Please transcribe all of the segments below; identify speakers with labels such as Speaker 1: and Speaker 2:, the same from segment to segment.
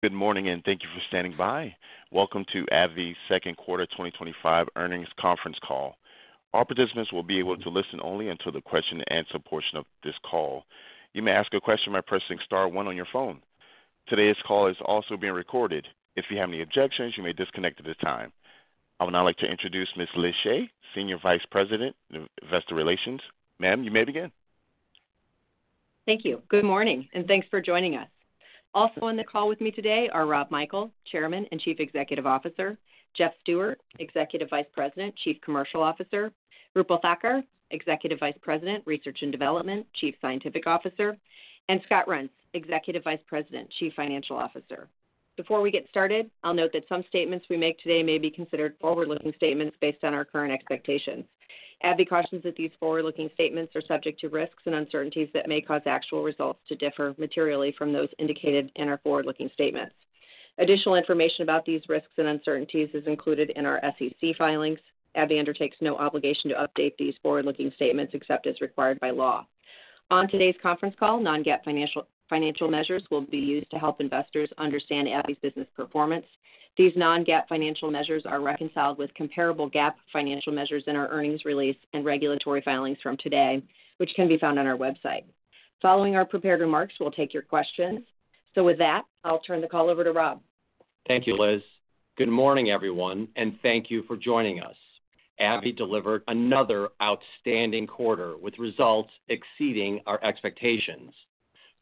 Speaker 1: Good morning and thank you for standing by. Welcome to AbbVie's second quarter 2025 earnings conference call. All participants will be able to listen only until the question-and-answer portion of this call. You may ask a question by pressing star one on your phone. Today's call is also being recorded. If you have any objections, you may disconnect at this time. I would now like to introduce Ms. Liz Shea, Senior Vice President of Investor Relations. Ma'am, you may begin.
Speaker 2: Thank you. Good morning and thanks for joining us. Also on the call with me today are Rob Michael, Chairman and Chief Executive Officer; Jeff Stewart, Executive Vice President, Chief Commercial Officer; Roopal Thakkar, Executive Vice President, Research and Development, Chief Scientific Officer; and Scott Reents, Executive Vice President, Chief Financial Officer. Before we get started, I'll note that some statements we make today may be considered forward-looking statements based on our current expectations. AbbVie cautions that these forward-looking statements are subject to risks and uncertainties that may cause actual results to differ materially from those indicated in our forward-looking statements. Additional information about these risks and uncertainties is included in our SEC filings. AbbVie undertakes no obligation to update these forward-looking statements except as required by law. On today's conference call, non-GAAP financial measures will be used to help investors understand AbbVie's business performance. These non-GAAP financial measures are reconciled with comparable GAAP financial measures in our earnings release and regulatory filings from today, which can be found on our website. Following our prepared remarks, we'll take your questions. With that, I'll turn the call over to Rob.
Speaker 3: Thank you, Liz. Good morning, everyone, and thank you for joining us. AbbVie delivered another outstanding quarter with results exceeding our expectations.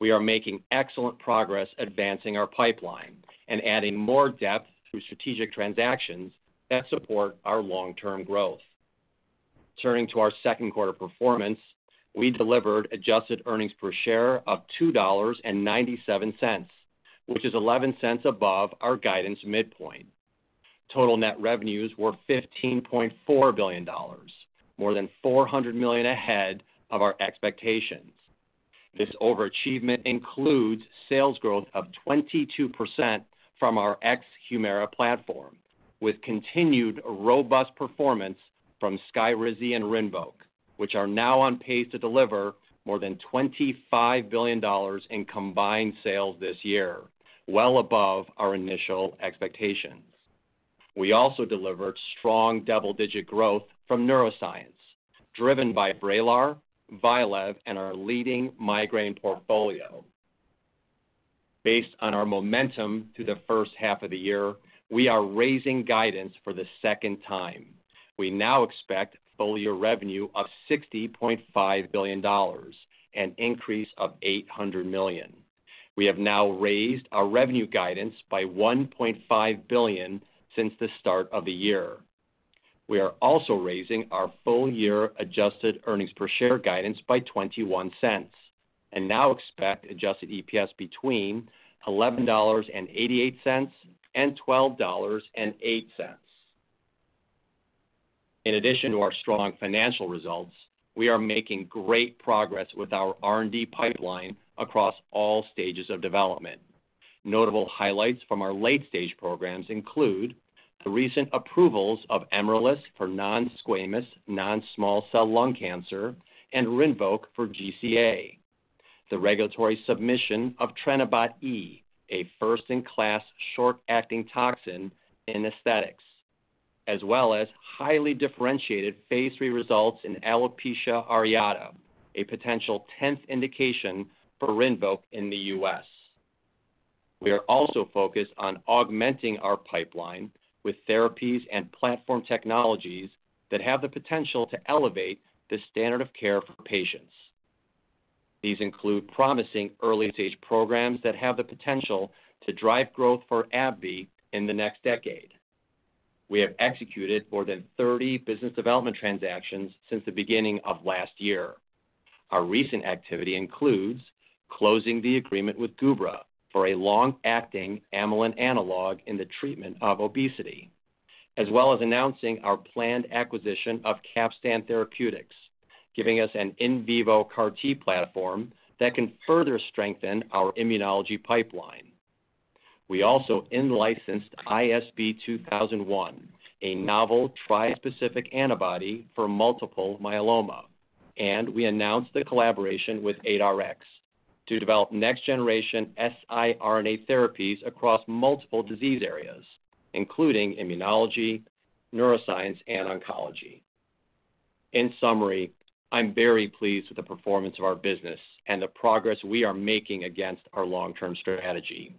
Speaker 3: We are making excellent progress advancing our pipeline and adding more depth through strategic transactions that support our long-term growth. Turning to our second quarter performance, we delivered adjusted earnings per share of $2.97, which is $0.11 above our guidance midpoint. Total net revenues were $15.4 billion, more than $400 million ahead of our expectations. This overachievement includes sales growth of 22% from our ex-HUMIRA platform, with continued robust performance from SKYRIZI and RINVOQ, which are now on pace to deliver more than $25 billion in combined sales this year, well above our initial expectations. We also delivered strong double-digit growth from neuroscience, driven by VRAYLAR, VYALEV, and our leading migraine portfolio. Based on our momentum through the first half of the year, we are raising guidance for the second time. We now expect full-year revenue of $60.5 billion and an increase of $800 million. We have now raised our revenue guidance by $1.5 billion since the start of the year. We are also raising our full-year adjusted earnings per share guidance by $0.21 and now expect adjusted EPS between $11.88-$12.08. In addition to our strong financial results, we are making great progress with our R&D pipeline across all stages of development. Notable highlights from our late-stage programs include the recent approvals of EMRELIS for non-squamous non-small cell lung cancer and RINVOQ for GCA, the regulatory submission of TrenibotE, a first-in-class short-acting toxin in aesthetics, as well as highly differentiated phase III results in alopecia areata, a potential tenth indication for RINVOQ in the U.S. We are also focused on augmenting our pipeline with therapies and platform technologies that have the potential to elevate the standard of care for patients. These include promising early-stage programs that have the potential to drive growth for AbbVie in the next decade. We have executed more than 30 business development transactions since the beginning of last year. Our recent activity includes closing the agreement with Gubra for a long-acting amylin analog in the treatment of obesity, as well as announcing our planned acquisition of Capstan Therapeutics, giving us an in vivo CAR-T platform that can further strengthen our immunology pipeline. We also in-licensed ISB 2001, a novel trispecific antibody for multiple myeloma, and we announced the collaboration with ADARx to develop next-generation siRNA therapies across multiple disease areas, including immunology, neuroscience, and oncology. In summary, I'm very pleased with the performance of our business and the progress we are making against our long-term strategy.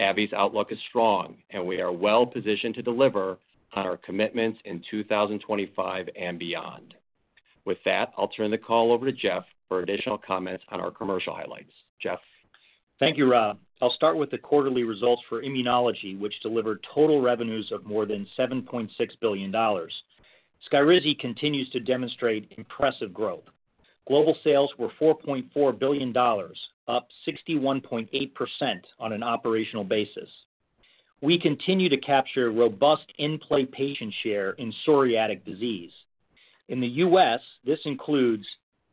Speaker 3: AbbVie's outlook is strong, and we are well-positioned to deliver on our commitments in 2025 and beyond. With that, I'll turn the call over to Jeff for additional comments on our commercial highlights. Jeff.
Speaker 4: Thank you, Rob. I'll start with the quarterly results for immunology, which delivered total revenues of more than $7.6 billion. SKYRIZI continues to demonstrate impressive growth. Global sales were $4.4 billion, up 61.8% on an operational basis. We continue to capture robust in-play patient share in psoriatic disease. In the U.S., this includes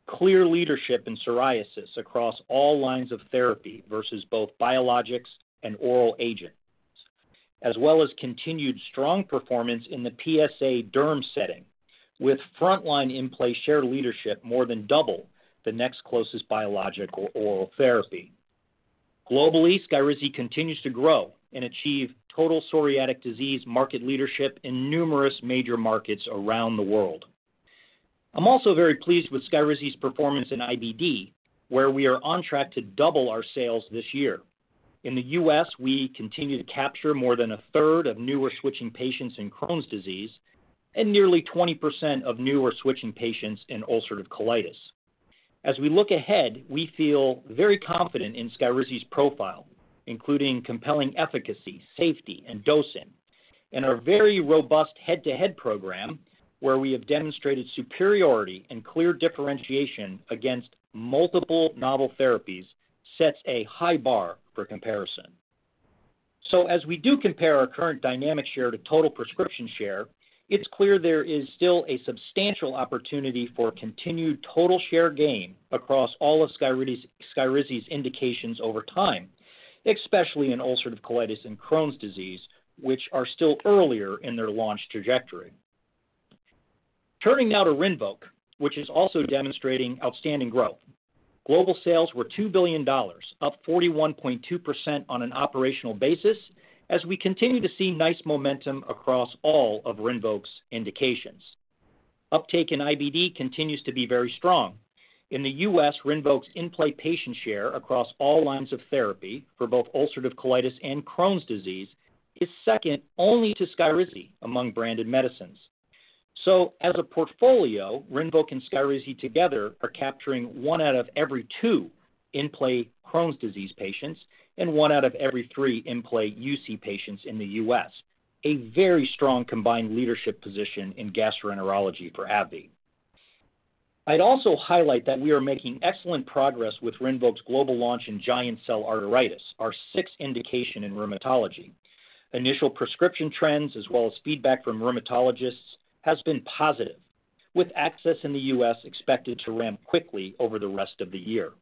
Speaker 4: clear leadership in psoriasis across all lines of therapy versus both biologics and oral agents, as well as continued strong performance in the PsA derm set, with frontline in-play shared leadership more than double the next closest biologic or oral therapy. Globally, SKYRIZI continues to grow and achieve total psoriatic disease market leadership in numerous major markets around the world. I'm also very pleased with SKYRIZI's performance in IBD, where we are on track to double our sales this year. In the U.S., we continue to capture more than a third of new or switching patients in Crohn's disease and nearly 20% of new or switching patients in ulcerative colitis. As we look ahead, we feel very confident in SKYRIZI's profile, including compelling efficacy, safety, and dosing, and our very robust head-to-head program, where we have demonstrated superiority and clear differentiation against multiple novel therapies, sets a high bar for comparison. As we do compare our current dynamic share to total prescription share, it is clear there is still a substantial opportunity for continued total share gain across all of SKYRIZI's indications over time, especially in ulcerative colitis and Crohn's disease, which are still earlier in their launch trajectory. Turning now to RINVOQ, which is also demonstrating outstanding growth. Global sales were $2 billion, up 41.2% on an operational basis, as we continue to see nice momentum across all of RINVOQ's indications. Uptake in IBD continues to be very strong. In the U.S., RINVOQ's in-play patient share across all lines of therapy for both ulcerative colitis and Crohn's disease is second only to SKYRIZI among branded medicines. As a portfolio, RINVOQ and SKYRIZI together are capturing one out of every two in-play Crohn's disease patients and one out of every three in-play UC patients in the U.S., a very strong combined leadership position in gastroenterology for AbbVie. I'd also highlight that we are making excellent progress with RINVOQ's global launch in giant cell arteritis, our sixth indication in rheumatology. Initial prescription trends, as well as feedback from rheumatologists, have been positive, with access in the U.S. expected to ramp quickly over the rest of the year.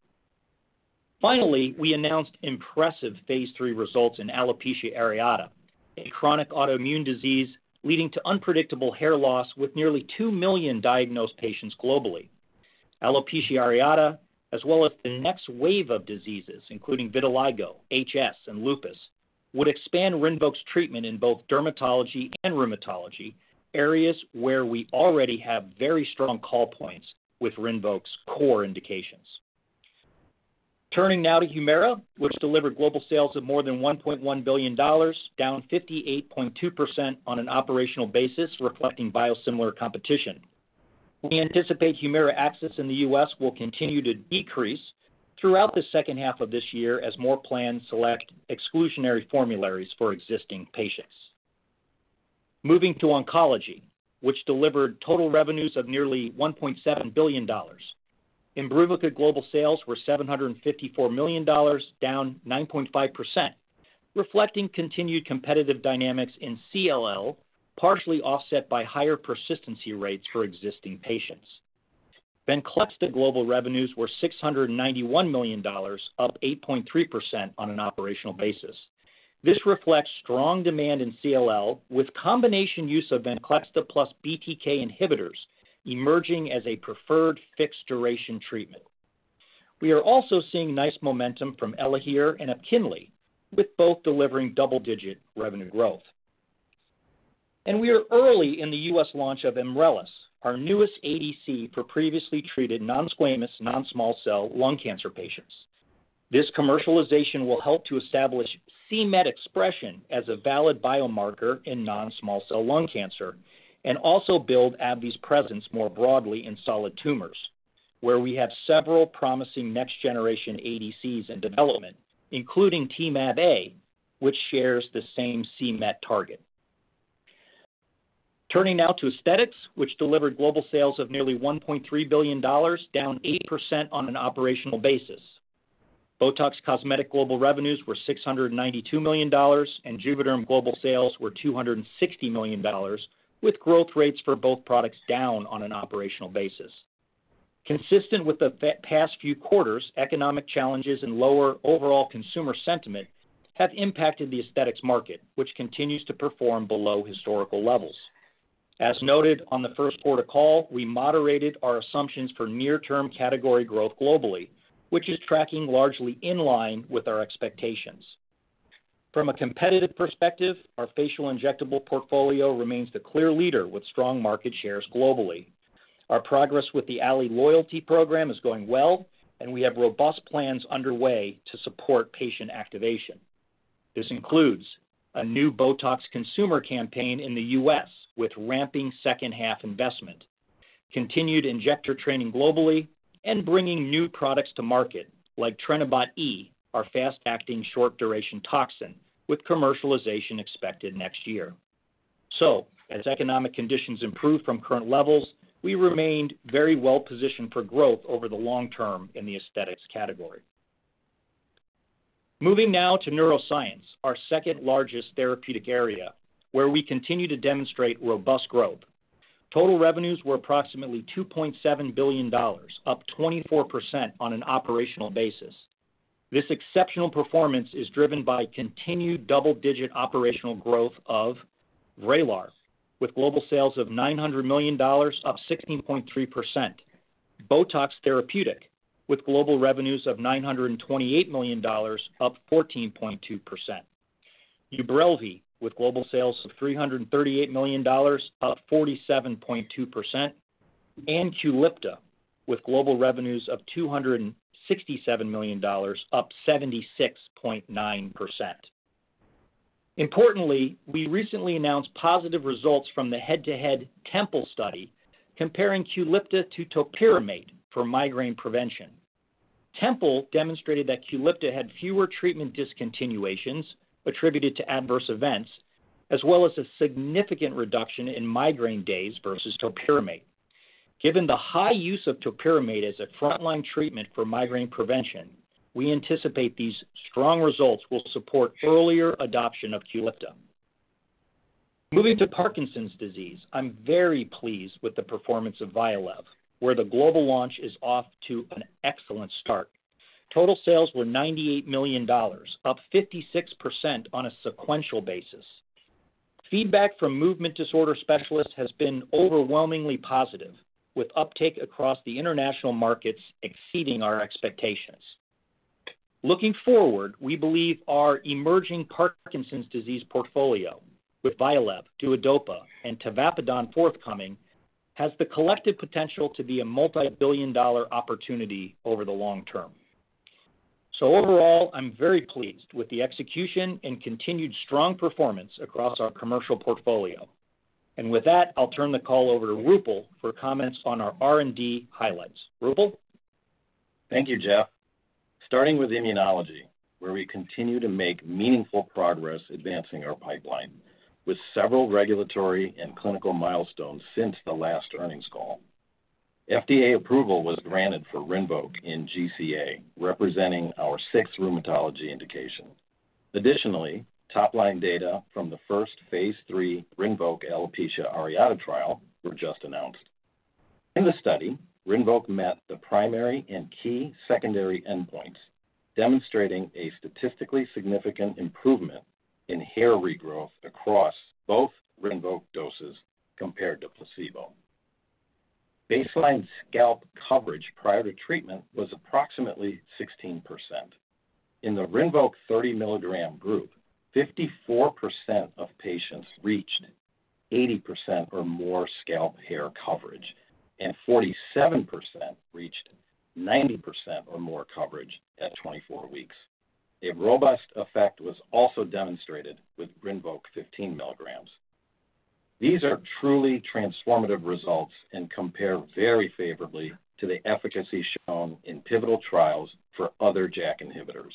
Speaker 4: Finally, we announced impressive phase III results in alopecia areata, a chronic autoimmune disease leading to unpredictable hair loss with nearly 2 million diagnosed patients globally. Alopecia areata, as well as the next wave of diseases, including Vitiligo, HS, and lupus, would expand RINVOQ's treatment in both dermatology and rheumatology, areas where we already have very strong call points with RINVOQ's core indications. Turning now to HUMIRA, which delivered global sales of more than $1.1 billion, down 58.2% on an operational basis, reflecting biosimilar competition. We anticipate HUMIRA access in the U.S. will continue to decrease throughout the second half of this year as more plans select exclusionary formularies for existing patients. Moving to oncology, which delivered total revenues of nearly $1.7 billion. IMBRUVICA global sales were $754 million, down 9.5%, reflecting continued competitive dynamics in CLL, partially offset by higher persistency rates for existing patients. VENCLEXTA global revenues were $691 million, up 8.3% on an operational basis. This reflects strong demand in CLL with combination use of VENCLEXTA plus BTK inhibitors emerging as a preferred fixed-duration treatment. We are also seeing nice momentum from ELAHERE and EPKINLY, with both delivering double-digit revenue growth. We are early in the U.S. launch of EMRELIS, our newest ADC for previously treated non-squamous non-small cell lung cancer patients. This commercialization will help to establish c-MeT expression as a valid biomarker in non-small cell lung cancer and also build AbbVie's presence more broadly in solid tumors, where we have several promising next-generation ADCs in development, including Temab-A, which shares the same c-MeT target. Turning now to aesthetics, which delivered global sales of nearly $1.3 billion, down 8% on an operational basis. BOTOX Cosmetic global revenues were $692 million, and JUVÉDERM global sales were $260 million, with growth rates for both products down on an operational basis. Consistent with the past few quarters, economic challenges and lower overall consumer sentiment have impacted the aesthetics market, which continues to perform below historical levels. As noted on the first quarter call, we moderated our assumptions for near-term category growth globally, which is tracking largely in line with our expectations. From a competitive perspective, our facial injectable portfolio remains the clear leader with strong market shares globally. Our progress with the Allē Loyalty program is going well, and we have robust plans underway to support patient activation. This includes a new BOTOX consumer campaign in the U.S. with ramping second-half investment, continued injector training globally, and bringing new products to market like TrenibotE, our fast-acting short-duration toxin, with commercialization expected next year. As economic conditions improve from current levels, we remained very well-positioned for growth over the long term in the aesthetics category. Moving now to neuroscience, our second largest therapeutic area, where we continue to demonstrate robust growth. Total revenues were approximately $2.7 billion, up 24% on an operational basis. This exceptional performance is driven by continued double-digit operational growth of VRAYLAR, with global sales of $900 million, up 16.3%, BOTOX Therapeutic with global revenues of $928 million, up 14.2%, UBRELVY with global sales of $338 million, up 47.2%, and QULIPTA with global revenues of $267 million, up 76.9%. Importantly, we recently announced positive results from the head-to-head Temple study comparing QULIPTA to Topiramate for migraine prevention. Temple demonstrated that QULIPTA had fewer treatment discontinuations attributed to adverse events, as well as a significant reduction in migraine days versus Topiramate. Given the high use of Topiramate as a frontline treatment for migraine prevention, we anticipate these strong results will support earlier adoption of QULIPTA. Moving to Parkinson's disease, I'm very pleased with the performance of VYALEV, where the global launch is off to an excellent start. Total sales were $98 million, up 56% on a sequential basis. Feedback from movement disorder specialists has been overwhelmingly positive, with uptake across the international markets exceeding our expectations. Looking forward, we believe our emerging Parkinson's disease portfolio with VYALEV, DUODOPA, and tavapadon forthcoming has the collective potential to be a multi-billion dollar opportunity over the long term. Overall, I'm very pleased with the execution and continued strong performance across our commercial portfolio. With that, I'll turn the call over to Roopal for comments on our R&D highlights. Roopal.
Speaker 5: Thank you, Jeff. Starting with immunology, where we continue to make meaningful progress advancing our pipeline with several regulatory and clinical milestones since the last earnings call. FDA approval was granted for RINVOQ in GCA, representing our sixth rheumatology indication. Additionally, top-line data from the first phase III RINVOQ alopecia areata trial were just announced. In the study, RINVOQ met the primary and key secondary endpoints, demonstrating a statistically significant improvement in hair regrowth across both RINVOQ doses compared to placebo. Baseline scalp coverage prior to treatment was approximately 16%. In the RINVOQ 30 mg group, 54% of patients reached 80% or more scalp hair coverage, and 47% reached 90% or more coverage at 24 weeks. A robust effect was also demonstrated with RINVOQ 15 mg. These are truly transformative results and compare very favorably to the efficacy shown in pivotal trials for other JAK inhibitors.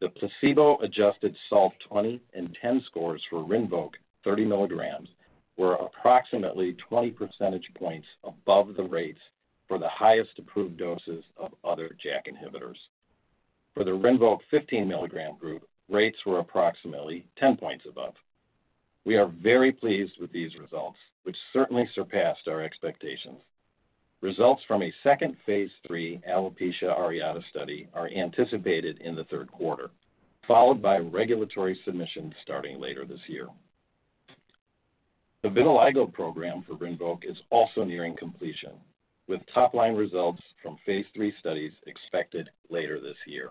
Speaker 5: The placebo-adjusted S 20 and 10 scores for RINVOQ 30 mg were approximately 20 percentage points above the rates for the highest approved doses of other JAK inhibitors. For the RINVOQ 15 mg group, rates were approximately 10 percentage points above. We are very pleased with these results, which certainly surpassed our expectations. Results from a second phase III alopecia areata study are anticipated in the third quarter, followed by regulatory submissions starting later this year. The Vitiligo program for RINVOQ is also nearing completion, with top-line results from phase III studies expected later this year.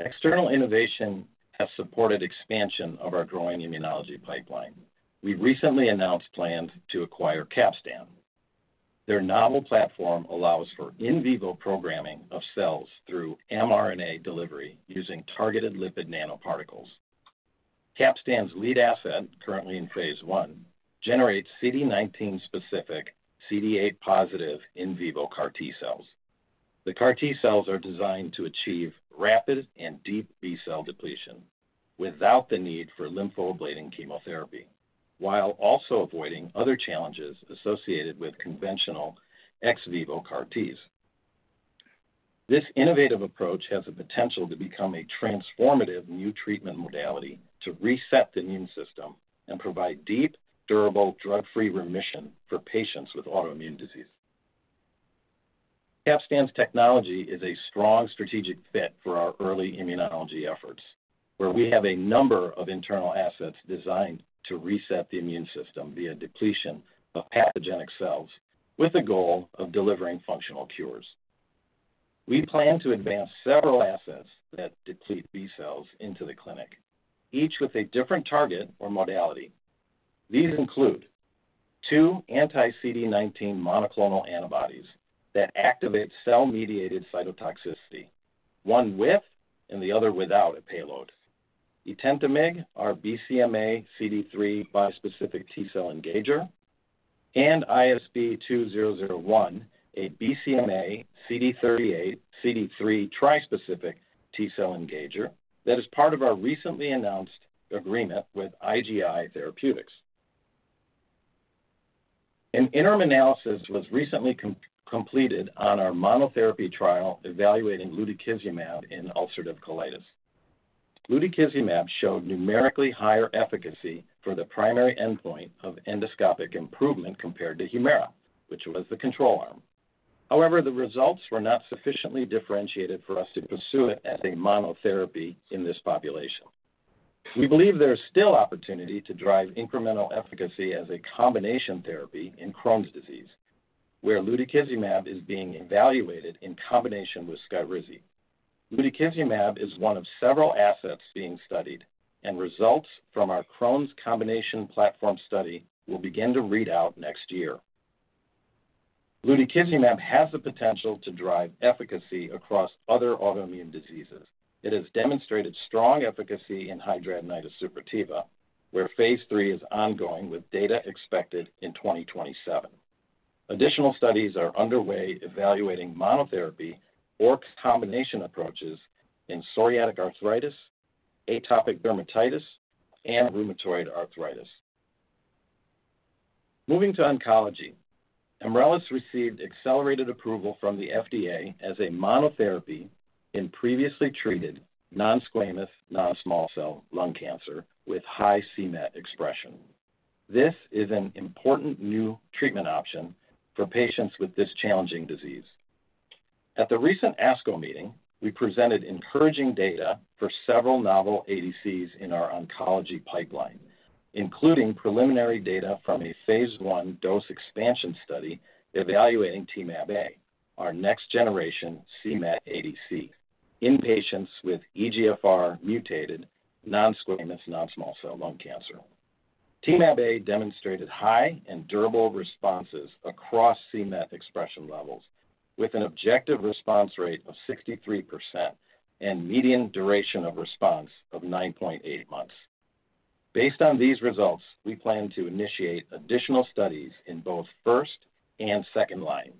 Speaker 5: External innovation has supported expansion of our growing immunology pipeline. We recently announced plans to acquire Capstan. Their novel platform allows for in vivo programming of cells through mRNA delivery using targeted lipid nanoparticles. Capstan's lead asset, currently in phase I, generates CD19-specific CD8-positive in vivo CAR-T cells. The CAR-T cells are designed to achieve rapid and deep B-cell depletion without the need for lymphoblating chemotherapy, while also avoiding other challenges associated with conventional ex vivo CAR-Ts. This innovative approach has the potential to become a transformative new treatment modality to reset the immune system and provide deep, durable drug-free remission for patients with autoimmune disease. Capstan's technology is a strong strategic fit for our early immunology efforts, where we have a number of internal assets designed to reset the immune system via depletion of pathogenic cells with the goal of delivering functional cures. We plan to advance several assets that deplete B-cells into the clinic, each with a different target or modality. These include two anti-CD19 monoclonal antibodies that activate cell-mediated cytotoxicity, one with and the other without a payload, Etentamig, our BCMA CD3 bispecific T-cell engager, and ISB 2001, a BCMA CD38 CD3 trispecific T-cell engager that is part of our recently announced agreement with IGI Therapeutics. An interim analysis was recently completed on our monotherapy trial evaluating lutikizumab in ulcerative colitis. Lutikizumab showed numerically higher efficacy for the primary endpoint of endoscopic improvement compared to HUMIRA, which was the control arm. However, the results were not sufficiently differentiated for us to pursue it as a monotherapy in this population. We believe there's still opportunity to drive incremental efficacy as a combination therapy in Crohn's disease, where lutikizumab is being evaluated Irizi. Lutikizumab is one of several assets being studied, and results from our Crohn's combination platform study will begin to read out next year. Lutikizumab has the potential to drive efficacy across other autoimmune diseases. It has demonstrated strong efficacy in hidradenitis suppurativa, where phase III is ongoing with data expected in 2027. Additional studies are underway evaluating monotherapy or combination approaches in psoriatic arthritis, atopic dermatitis, and rheumatoid arthritis. Moving to oncology, EMRELIS received accelerated approval from the FDA as a monotherapy in previously treated non-squamous non-small cell lung cancer with high c-MeT expression. This is an important new treatment option for patients with this challenging disease. At the recent ASCO meeting, we presented encouraging data for several novel ADCs in our oncology pipeline, including preliminary data from a phase I dose expansion study evaluating Temab-A, our next-generation c-MeT ADC in patients with eGFR-mutated non-squamous non-small cell lung cancer. Temab-A demonstrated high and durable responses across c-MeT expression levels, with an objective response rate of 63% and median duration of response of 9.8 months. Based on these results, we plan to initiate additional studies in both first and second line.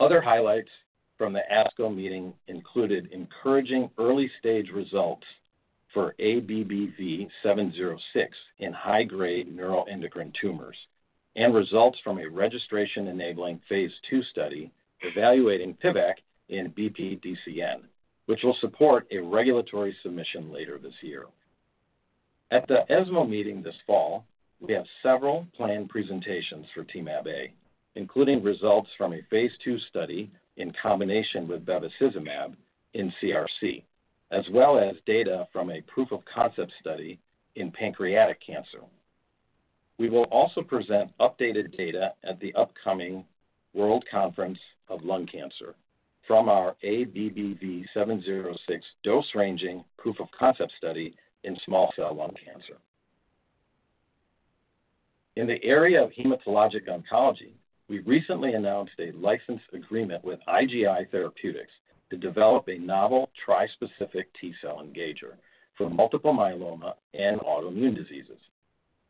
Speaker 5: Other highlights from the ASCO meeting included encouraging early-stage results for ABBV-706 in high-grade neuroendocrine tumors and results from a registration-enabling phase II study evaluating PVEK in BPDCN, which will support a regulatory submission later this year. At the ESMO meeting this fall, we have several planned presentations for Temab-A, including results from a phase II study in combination with bevacizumab in CRC, as well as data from a proof-of-concept study in pancreatic cancer. We will also present updated data at the upcoming World Conference of Lung Cancer from our ABBV-706 dose-ranging proof-of-concept study in small cell lung cancer. In the area of hematologic oncology, we recently announced a license agreement with IGI Therapeutics to develop a novel trispecific T-cell engager for multiple myeloma and autoimmune diseases.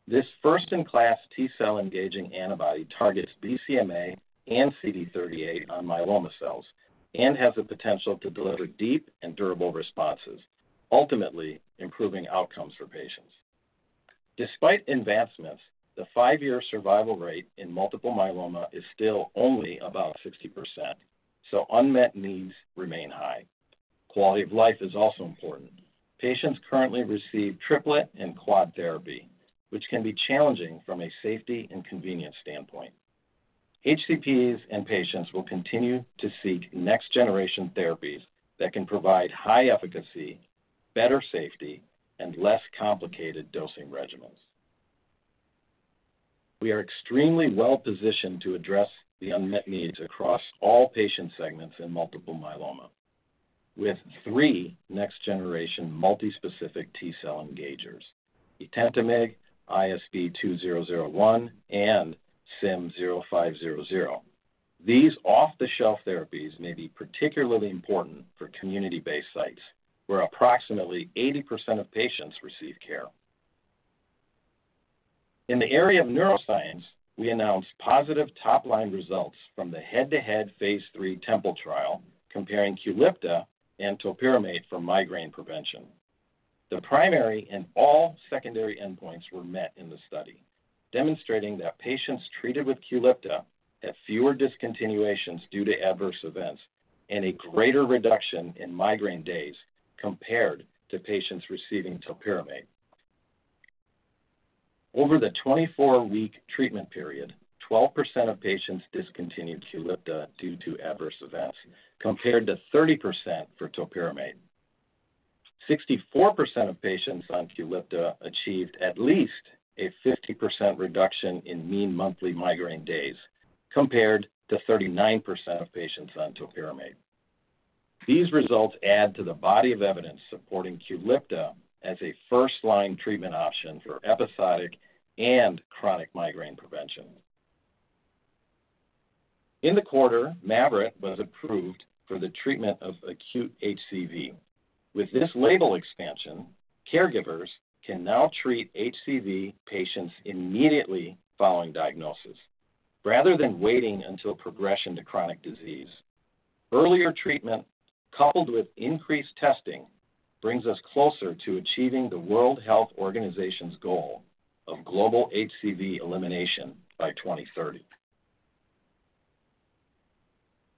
Speaker 5: This first-in-class T-cell engaging antibody targets BCMA and CD38 on myeloma cells and has the potential to deliver deep and durable responses, ultimately improving outcomes for patients. Despite advancements, the five-year survival rate in multiple myeloma is still only about 60%, so unmet needs remain high. Quality of life is also important. Patients currently receive triplet and quad therapy, which can be challenging from a safety and convenience standpoint. HCPs and patients will continue to seek next-generation therapies that can provide high efficacy, better safety, and less complicated dosing regimens. We are extremely well-positioned to address the unmet needs across all patient segments in multiple myeloma with three next-generation multispecific T-cell engagers: Etentamig, ISB 2001, and SIM0500. These off-the-shelf therapies may be particularly important for community-based sites, where approximately 80% of patients receive care. In the area of neuroscience, we announced positive top-line results from the head-to-head phase III Temple trial comparing QULIPTA and Topiramate for migraine prevention. The primary and all secondary endpoints were met in the study, demonstrating that patients treated with QULIPTA had fewer discontinuations due to adverse events and a greater reduction in migraine days compared to patients receiving Topiramate. Over the 24-week treatment period, 12% of patients discontinued QULIPTA due to adverse events, compared to 30% for Topiramate. 64% of patients on QULIPTA achieved at least a 50% reduction in mean monthly migraine days, compared to 39% of patients on Topiramate. These results add to the body of evidence supporting QULIPTA as a first-line treatment option for episodic and chronic migraine prevention. In the quarter, MAVYRET was approved for the treatment of acute HCV. With this label expansion, caregivers can now treat HCV patients immediately following diagnosis, rather than waiting until progression to chronic disease. Earlier treatment, coupled with increased testing, brings us closer to achieving the World Health Organization's goal of global HCV elimination by 2030.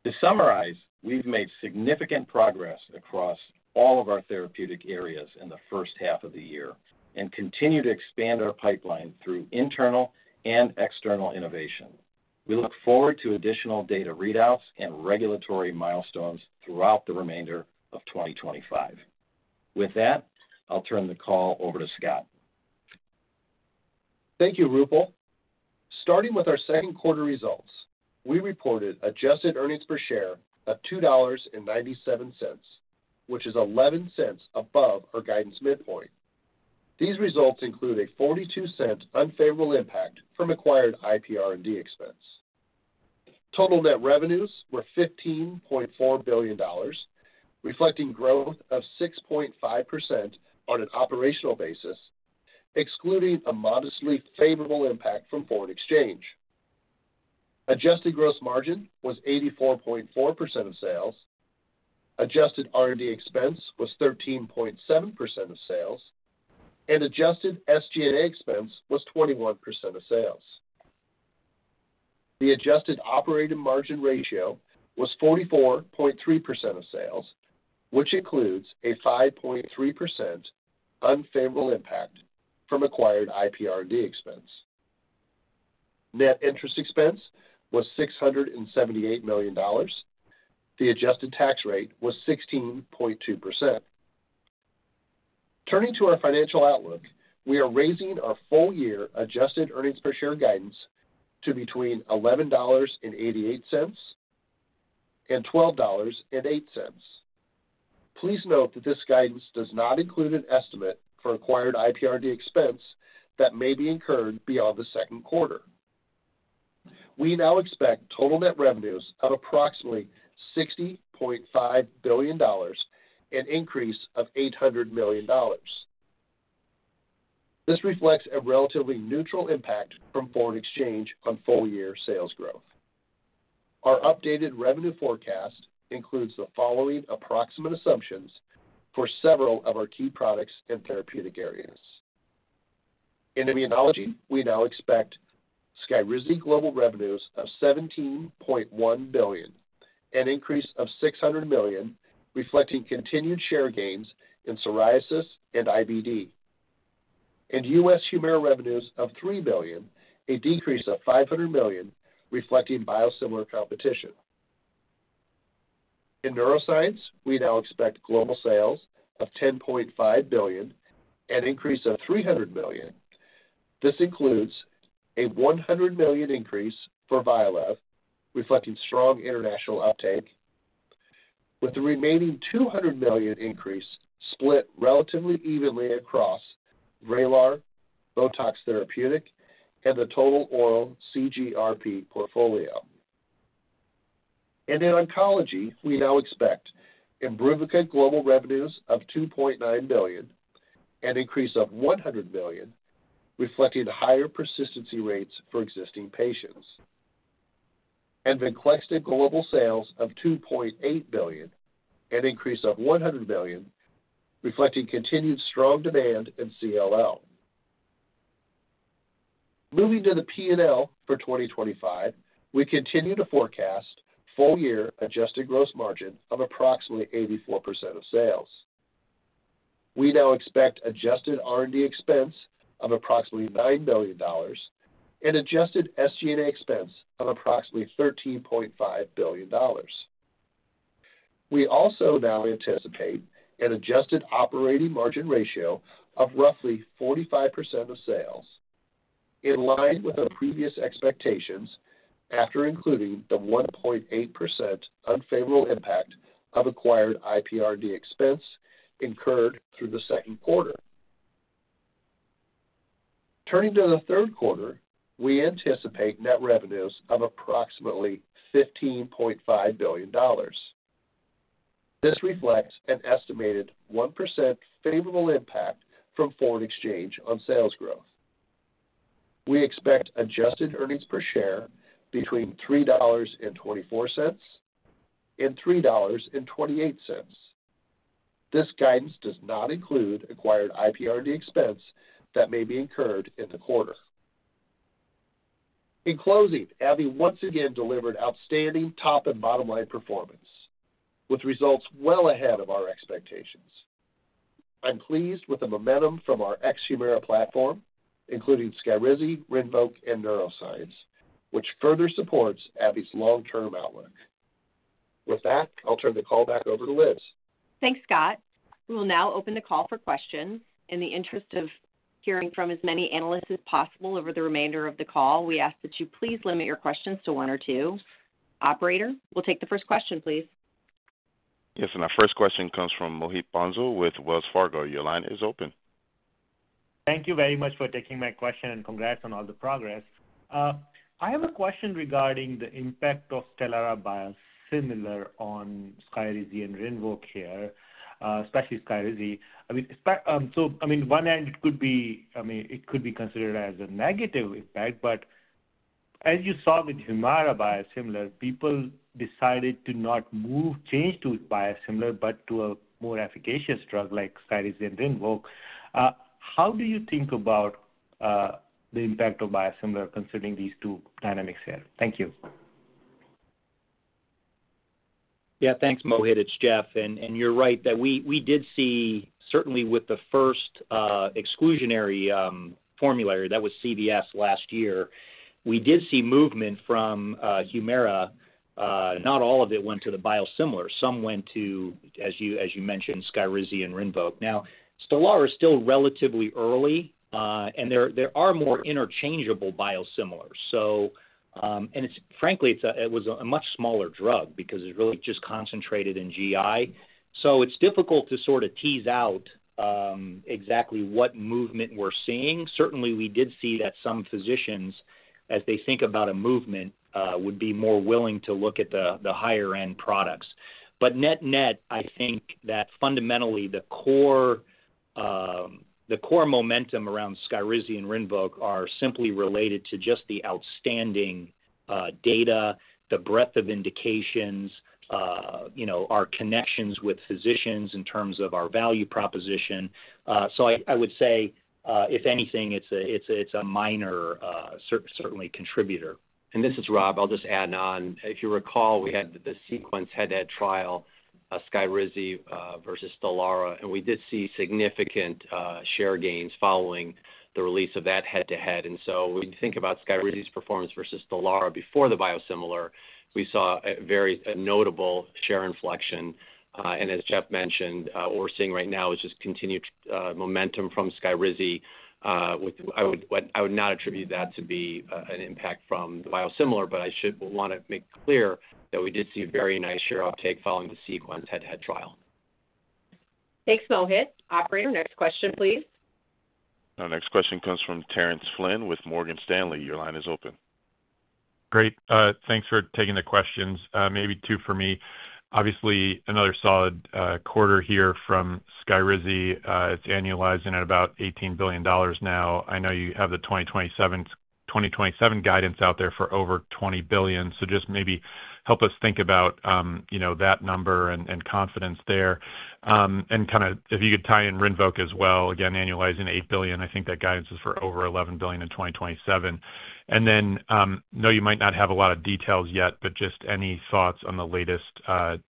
Speaker 5: To summarize, we've made significant progress across all of our therapeutic areas in the first half of the year and continue to expand our pipeline through internal and external innovation. We look forward to additional data readouts and regulatory milestones throughout the remainder of 2025. With that, I'll turn the call over to Scott.
Speaker 6: Thank you, Roopal. Starting with our second quarter results, we reported adjusted earnings per share of $2.97, which is $0.11 above our guidance midpoint. These results include a $0.42 unfavorable impact from acquired IPR&D expense. Total net revenues were $15.4 billion, reflecting growth of 6.5% on an operational basis, excluding a modestly favorable impact from foreign exchange. Adjusted gross margin was 84.4% of sales. Adjusted R&D expense was 13.7% of sales, and adjusted SG&A expense was 21% of sales. The adjusted operating margin ratio was 44.3% of sales, which includes a 5.3% unfavorable impact from acquired IPR&D expense. Net interest expense was $678 million. The adjusted tax rate was 16.2%. Turning to our financial outlook, we are raising our full-year adjusted earnings per share guidance to between $11.88 and $12.08. Please note that this guidance does not include an estimate for acquired IPR&D expense that may be incurred beyond the second quarter. We now expect total net revenues of approximately $60.5 billion and an increase of $800 million. This reflects a relatively neutral impact from foreign exchange on full-year sales growth. Our updated revenue forecast includes the following approximate assumptions for several of our key products and therapeutic areas. In immunology, we now expect SKYRIZI global revenues of $17.1 billion, an increase of $600 million, reflecting continued share gains in psoriasis and IBD, and U.S. HUMIRA revenues of $3 billion, a decrease of $500 million, reflecting biosimilar competition. In neuroscience, we now expect global sales of $10.5 billion, an increase of $300 million. This includes a $100 million increase for VYALEV, reflecting strong international uptake, with the remaining $200 million increase split relatively evenly across VRAYLAR, BOTOX Therapeutic, and the total oral CGRP portfolio. In oncology, we now expect IMBRUVICA global revenues of $2.9 billion, an increase of $100 million, reflecting higher persistency rates for existing patients, and VENCLEXTA global sales of $2.8 billion, an increase of $100 million, reflecting continued strong demand in CLL. Moving to the P&L for 2025, we continue to forecast full-year adjusted gross margin of approximately 84% of sales. We now expect adjusted R&D expense of approximately $9 billion and adjusted SG&A expense of approximately $13.5 billion. We also now anticipate an adjusted operating margin ratio of roughly 45% of sales, in line with our previous expectations after including the 1.8% unfavorable impact of acquired IPR&D expense incurred through the second quarter. Turning to the third quarter, we anticipate net revenues of approximately $15.5 billion. This reflects an estimated 1% favorable impact from foreign exchange on sales growth. We expect adjusted earnings per share between $3.24 and $3.28. This guidance does not include acquired IPR&D expense that may be incurred in the quarter. In closing, AbbVie once again delivered outstanding top and bottom-line performance, with results well ahead of our expectations. I'm pleased with the momentum from our HUMIRA platform, including SKYRIZI, RINVOQ, and neuroscience, which further supports AbbVie's long-term outlook. With that, I'll turn the call back over to Liz.
Speaker 2: Thanks, Scott. We will now open the call for questions. In the interest of hearing from as many analysts as possible over the remainder of the call, we ask that you please limit your questions to one or two. Operator, we'll take the first question, please.
Speaker 1: Yes, and our first question comes from Mohit Bansal with Wells Fargo. Your line is open.
Speaker 7: Thank you very much for taking my question and congrats on all the progress. I have a question regarding the impact of STELARA biosimilar on SKYRIZI and RINVOQ here, especially SKYRIZI. I mean, one end it could be, I mean, it could be considered as a negative impact, but as you saw with HUMIRA biosimilar, people decided to not move, change to biosimilar but to a more efficacious drug like SKYRIZI and RINVOQ. How do you think about the impact of biosimilar considering these two dynamics here? Thank you.
Speaker 4: Yeah, thanks, Mohit. It's Jeff. You're right that we did see, certainly with the first exclusionary formulary that was CVS last year, we did see movement from HUMIRA. Not all of it went to the biosimilar. Some went to, as you mentioned, SKYRIZI and RINVOQ. Now, STELARA is still relatively early, and there are more interchangeable biosimilars. Frankly, it was a much smaller drug because it's really just concentrated in GI. It's difficult to sort of tease out exactly what movement we're seeing. Certainly, we did see that some physicians, as they think about a movement, would be more willing to look at the higher-end products. Net-net, I think that fundamentally the core momentum around SKYRIZI and RINVOQ are simply related to just the outstanding data, the breadth of indications, our connections with physicians in terms of our value proposition. I would say, if anything, it's a minor, certainly contributor.
Speaker 3: This is Rob. I'll just add on. If you recall, we had the sequence head-to-head trial, SKYRIZI versus STELARA, and we did see significant share gains following the release of that head-to-head. When you think about SKYRIZI's performance versus STELARA before the biosimilar, we saw a very notable share inflection. As Jeff mentioned, what we are seeing right now is just continued momentum from SKYRIZI. I would not attribute that to be an impact from the biosimilar, but I should want to make clear that we did see a very nice share uptake following the sequence head-to-head trial.
Speaker 2: Thanks, Mohit. Operator, next question, please.
Speaker 1: Our next question comes from Terence Flynn with Morgan Stanley. Your line is open.
Speaker 8: Great. Thanks for taking the questions. Maybe two for me. Obviously, another solid quarter here from SKYRIZI. It's annualizing at about $18 billion now. I know you have the 2027 guidance out there for over $20 billion. Just maybe help us think about that number and confidence there. If you could tie in RINVOQ as well, again, annualizing $8 billion, I think that guidance is for over $11 billion in 2027. No, you might not have a lot of details yet, but just any thoughts on the latest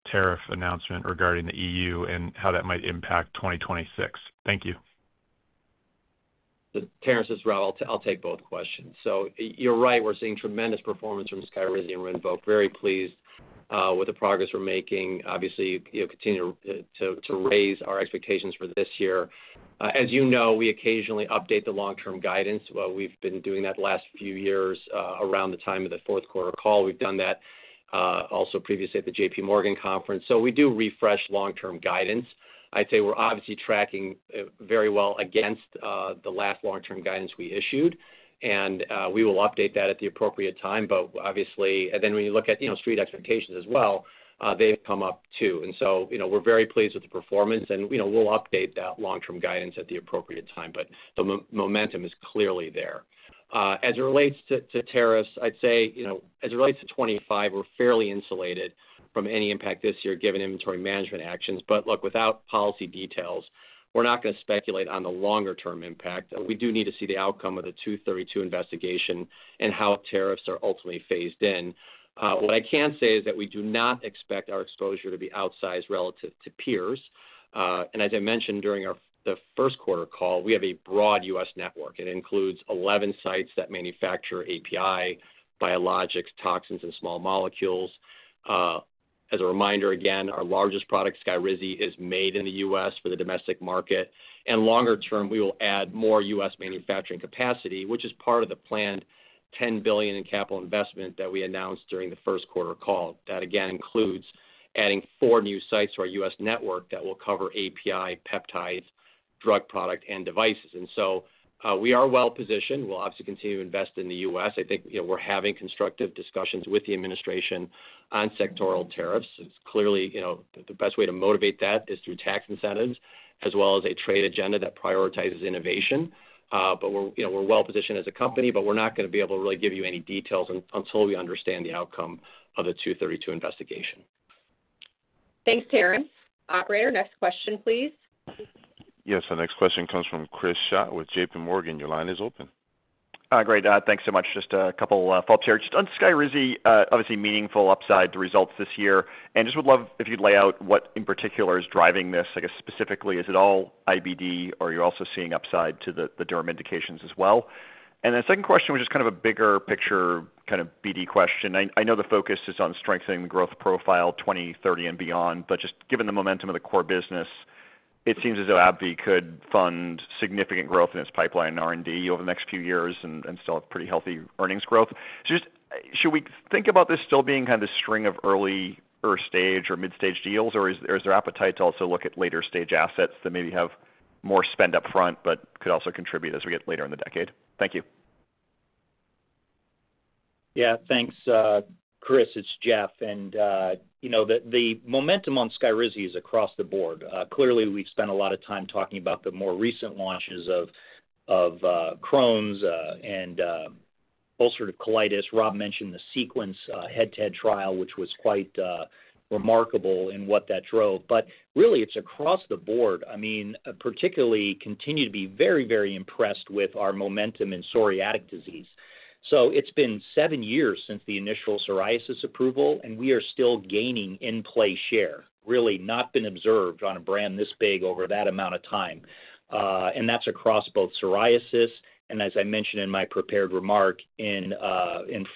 Speaker 8: tariff announcement regarding the EU and how that might impact 2026? Thank you.
Speaker 3: Terence Flynn. I'll take both questions. You're right, we're seeing tremendous performance from SKYRIZI and RINVOQ. Very pleased with the progress we're making. Obviously, we continue to raise our expectations for this year. As you know, we occasionally update the long-term guidance. We've been doing that the last few years around the time of the fourth quarter call. We've done that also previously at the JPMorgan conference. We do refresh long-term guidance. I'd say we're obviously tracking very well against the last long-term guidance we issued, and we will update that at the appropriate time. When you look at street expectations as well, they've come up too. We're very pleased with the performance, and we'll update that long-term guidance at the appropriate time. The momentum is clearly there. As it relates to tariffs, I'd say as it relates to 2025, we're fairly insulated from any impact this year given inventory management actions. Look, without policy details, we're not going to speculate on the longer-term impact. We do need to see the outcome of the 232 investigation and how tariffs are ultimately phased in. What I can say is that we do not expect our exposure to be outsized relative to peers. As I mentioned during the first quarter call, we have a broad U.S. network. It includes 11 sites that manufacture API, biologics, toxins, and small molecules. As a reminder, again, our largest product, SKYRIZI, is made in the U.S. for the domestic market. Longer term, we will add more U.S. manufacturing capacity, which is part of the planned $10 billion in capital investment that we announced during the first quarter call. That, again, includes adding four new sites to our U.S. network that will cover API, peptides, drug product, and devices. We are well-positioned. We'll obviously continue to invest in the U.S. I think we're having constructive discussions with the administration on sectoral tariffs. It's clearly the best way to motivate that is through tax incentives as well as a trade agenda that prioritizes innovation. We are well-positioned as a company, but we're not going to be able to really give you any details until we understand the outcome of the 232 investigation.
Speaker 2: Thanks, Terence. Operator, next question, please.
Speaker 1: Yes, and next question comes from Chris Schott with JPMorgan. Your line is open.
Speaker 9: Hi, great. Thanks so much. Just a couple of thoughts here. Just on SKYRIZI, obviously meaningful upside to results this year. I just would love if you'd lay out what in particular is driving this. I guess specifically, is it all IBD, or are you also seeing upside to the derm indications as well? Second question, which is kind of a bigger picture kind of BD question. I know the focus is on strengthening the growth profile 2030 and beyond, but just given the momentum of the core business, it seems as though AbbVie could fund significant growth in its pipeline and R&D over the next few years and still have pretty healthy earnings growth. Should we think about this still being kind of the string of early or stage or mid-stage deals, or is there appetite to also look at later stage assets that maybe have more spend upfront but could also contribute as we get later in the decade? Thank you.
Speaker 4: Yeah, thanks. Chris, it's Jeff. The momentum on SKYRIZI is across the board. Clearly, we've spent a lot of time talking about the more recent launches of Crohn's and ulcerative colitis. Rob mentioned the sequence head-to-head trial, which was quite remarkable in what that drove. It is really across the board. I mean, particularly continue to be very, very impressed with our momentum in psoriatic disease. It has been seven years since the initial psoriasis approval, and we are still gaining in play share, really not been observed on a brand this big over that amount of time. That is across both psoriasis and, as I mentioned in my prepared remark, in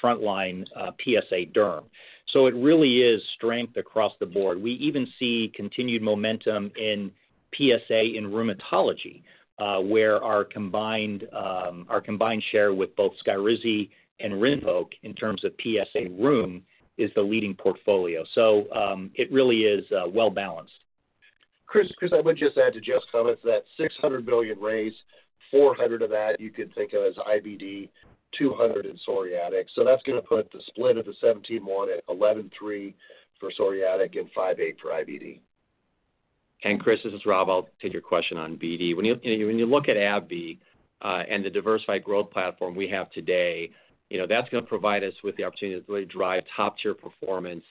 Speaker 4: frontline PsA derm. It really is strength across the board. We even see continued momentum in PsA in rheumatology, where our combined share with both SKYRIZI and RINVOQ in terms of PsA room is the leading portfolio. It really is well-balanced.
Speaker 6: Chris, I would just add to Jeff's comments that $600 million raised, $400 million of that you could think of as IBD, $200 million in psoriatic. So that's going to put the split of the $17 million-$1 million at $11 million-$3 million for psoriatic and $5 million-$8 million for IBD. Chris, this is Rob. I'll take your question on BD. When you look at AbbVie and the diversified growth platform we have today, that's going to provide us with the opportunity to really drive top-tier performance,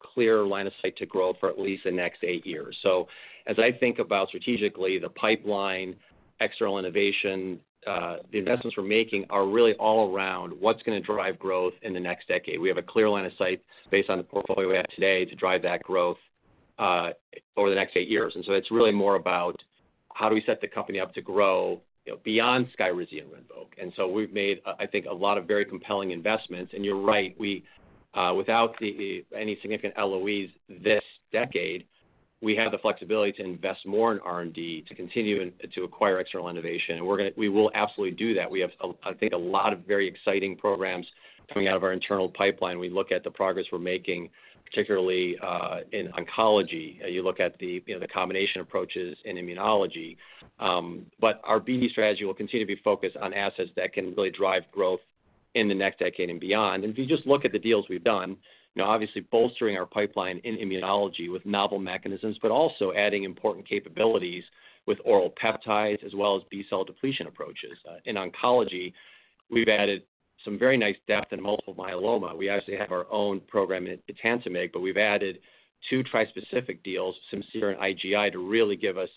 Speaker 6: clear line of sight to grow for at least the next eight years. As I think about strategically, the pipeline, external innovation, the investments we're making are really all around what's going to drive growth in the next decade. We have a clear line of sight based on the portfolio we have today to drive that growth over the next eight years. It's really more about how do we set the company up to grow beyond SKYRIZI and RINVOQ. We've made, I think, a lot of very compelling investments. You are right, without any significant LOEs this decade, we have the flexibility to invest more in R&D to continue to acquire external innovation. We will absolutely do that. We have, I think, a lot of very exciting programs coming out of our internal pipeline. We look at the progress we are making, particularly in oncology. You look at the combination approaches in immunology. Our BD strategy will continue to be focused on assets that can really drive growth in the next decade and beyond. If you just look at the deals we have done, obviously bolstering our pipeline in immunology with novel mechanisms, but also adding important capabilities with oral peptides as well as B-cell depletion approaches. In oncology, we have added some very nice depth in multiple myeloma. We actually have our own program in etentamig, but we've added two trispecific deals, Simcere and IGI, to really give us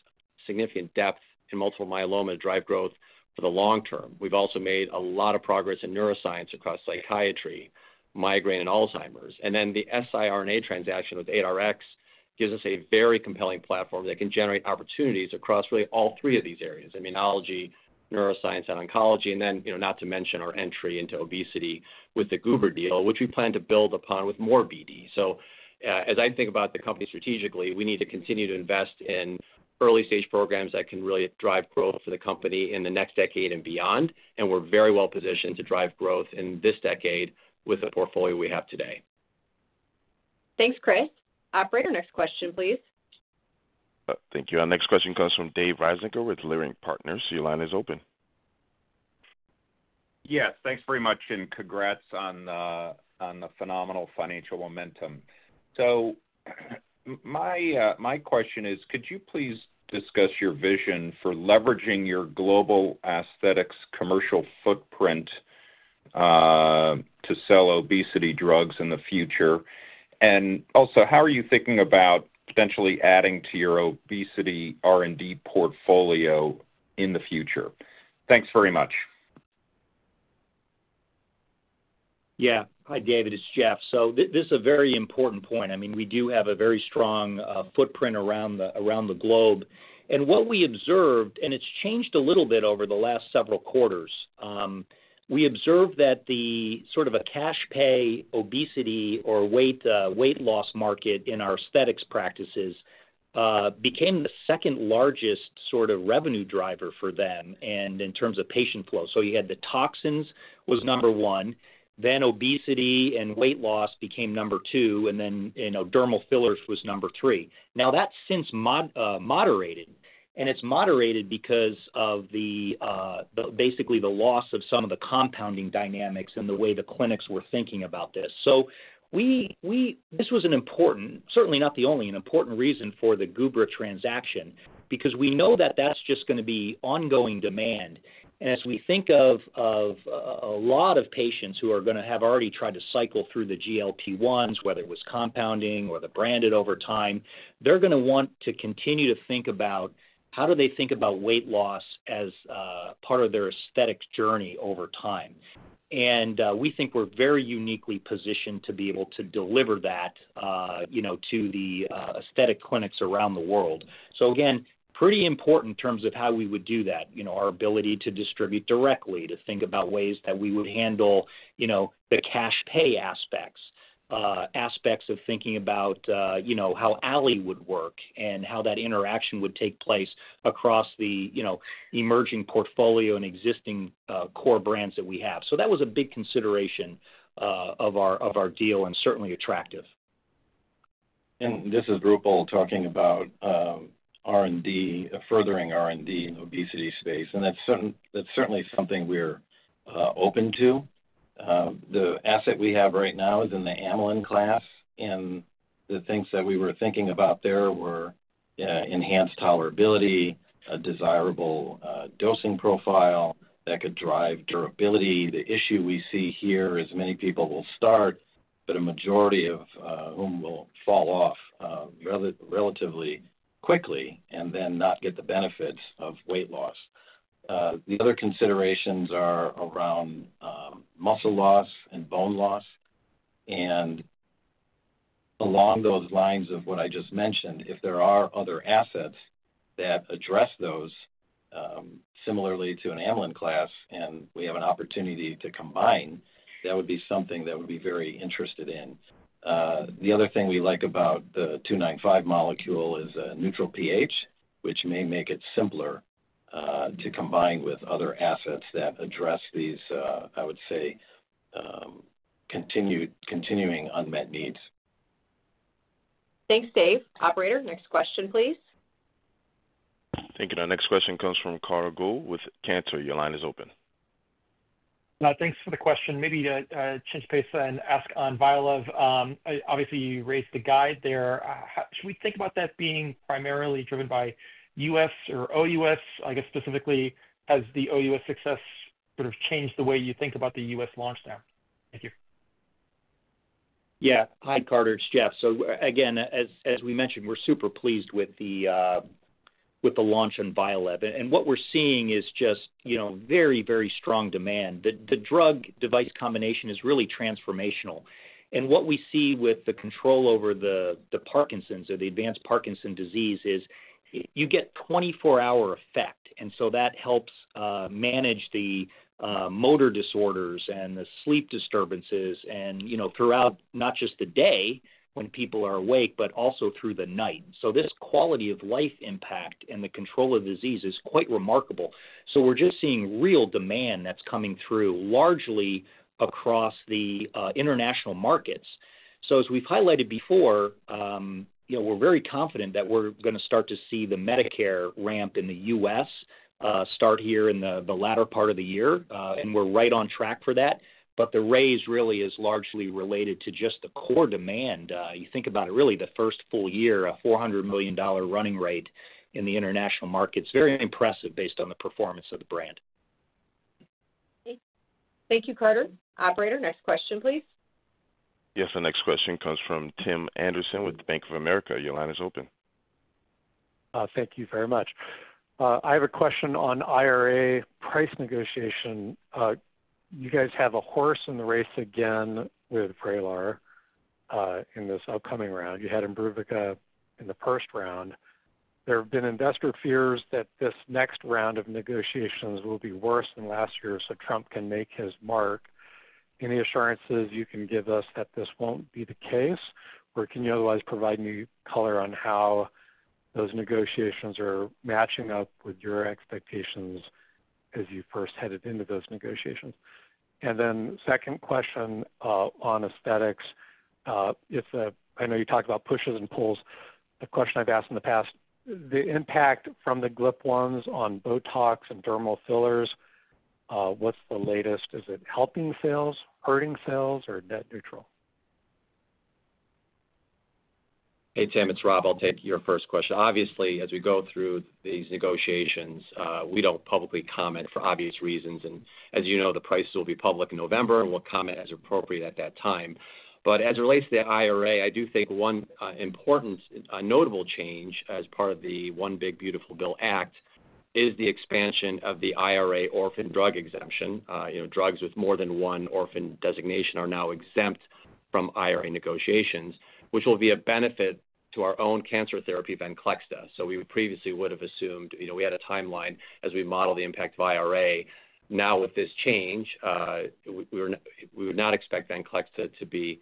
Speaker 6: significant depth in multiple myeloma to drive growth for the long term. We've also made a lot of progress in neuroscience across psychiatry, migraine, and Alzheimer's. The siRNA transaction with Alnylam gives us a very compelling platform that can generate opportunities across really all three of these areas: immunology, neuroscience, and oncology. Not to mention our entry into obesity with the Gubra deal, which we plan to build upon with more BD. As I think about the company strategically, we need to continue to invest in early-stage programs that can really drive growth for the company in the next decade and beyond. We're very well-positioned to drive growth in this decade with the portfolio we have today.
Speaker 2: Thanks, Chris. Operator, next question, please.
Speaker 1: Thank you. Our next question comes from David Risinger with Leerink Partners. Your line is open.
Speaker 10: Yes, thanks very much and congrats on the phenomenal financial momentum. My question is, could you please discuss your vision for leveraging your global aesthetics commercial footprint to sell obesity drugs in the future? Also, how are you thinking about potentially adding to your obesity R&D portfolio in the future? Thanks very much.
Speaker 4: Yeah. Hi, David. It's Jeff. This is a very important point. I mean, we do have a very strong footprint around the globe. What we observed, and it's changed a little bit over the last several quarters, we observed that the sort of a cash-pay obesity or weight loss market in our aesthetics practices became the second largest sort of revenue driver for them in terms of patient flow. You had the toxins was number one, then obesity and weight loss became number two, and then dermal fillers was number three. Now, that's since moderated. It's moderated because of basically the loss of some of the compounding dynamics and the way the clinics were thinking about this. This was an important, certainly not the only, an important reason for the Gubra transaction because we know that that's just going to be ongoing demand. As we think of a lot of patients who are going to have already tried to cycle through the GLP-1s, whether it was compounding or the branded over time, they're going to want to continue to think about how do they think about weight loss as part of their aesthetic journey over time. We think we're very uniquely positioned to be able to deliver that to the aesthetic clinics around the world. Again, pretty important in terms of how we would do that, our ability to distribute directly, to think about ways that we would handle the cash-pay aspects, aspects of thinking about how Alli would work and how that interaction would take place across the emerging portfolio and existing core brands that we have. That was a big consideration of our deal and certainly attractive.
Speaker 5: This is Roopal talking about R&D, furthering R&D in the obesity space. That is certainly something we are open to. The asset we have right now is in the amylin class. The things that we were thinking about there were enhanced tolerability, a desirable dosing profile that could drive durability. The issue we see here is many people will start, but a majority of whom will fall off relatively quickly and then not get the benefits of weight loss. The other considerations are around muscle loss and bone loss. Along those lines of what I just mentioned, if there are other assets that address those similarly to an amylin class and we have an opportunity to combine, that would be something that we would be very interested in. The other thing we like about the 295 molecule is a neutral pH, which may make it simpler to combine with other assets that address these, I would say, continuing unmet needs.
Speaker 2: Thanks, Dave. Operator, next question, please.
Speaker 1: Thank you. Our next question comes from Carter Gould with Cantor. Your line is open.
Speaker 11: Thanks for the question. Maybe to change pace and ask on VYALEV. Obviously, you raised the guide there. Should we think about that being primarily driven by U.S. or OUS? I guess specifically, has the OUS success sort of changed the way you think about the U.S. launch now? Thank you.
Speaker 4: Yeah. Hi, Carter. It's Jeff. Again, as we mentioned, we're super pleased with the launch on VYALEV. What we're seeing is just very, very strong demand. The drug-device combination is really transformational. What we see with the control over the Parkinson's or the advanced Parkinson's disease is you get 24-hour effect. That helps manage the motor disorders and the sleep disturbances throughout not just the day when people are awake, but also through the night. This quality of life impact and the control of disease is quite remarkable. We're just seeing real demand that's coming through largely across the international markets. As we've highlighted before, we're very confident that we're going to start to see the Medicare ramp in the U.S. start here in the latter part of the year. We're right on track for that. The raise really is largely related to just the core demand. You think about it, really the first full year, a $400 million running rate in the international markets. Very impressive based on the performance of the brand.
Speaker 2: Thank you, Carter. Operator, next question, please.
Speaker 1: Yes. Our next question comes from Tim Anderson with the Bank of America. Your line is open.
Speaker 12: Thank you very much. I have a question on IRA price negotiation. You guys have a horse in the race again with VRAYLAR in this upcoming round. You had IMBRUVICA in the first round. There have been investor fears that this next round of negotiations will be worse than last year so Trump can make his mark. Any assurances you can give us that this won't be the case, or can you otherwise provide me color on how those negotiations are matching up with your expectations as you first headed into those negotiations? The second question on aesthetics, I know you talked about pushes and pulls. The question I've asked in the past, the impact from the GLP-1s on BOTOX and dermal fillers, what's the latest? Is it helping sales, hurting sales, or net neutral?
Speaker 3: Hey, Tim, it's Rob. I'll take your first question. Obviously, as we go through these negotiations, we don't publicly comment for obvious reasons. As you know, the prices will be public in November, and we'll comment as appropriate at that time. As it relates to the IRA, I do think one important notable change as part of the One Big Beautiful Bill Act is the expansion of the IRA orphan drug exemption. Drugs with more than one orphan designation are now exempt from IRA negotiations, which will be a benefit to our own cancer therapy, VENCLEXTA. We previously would have assumed we had a timeline as we model the impact of IRA. Now, with this change, we would not expect VENCLEXTA to be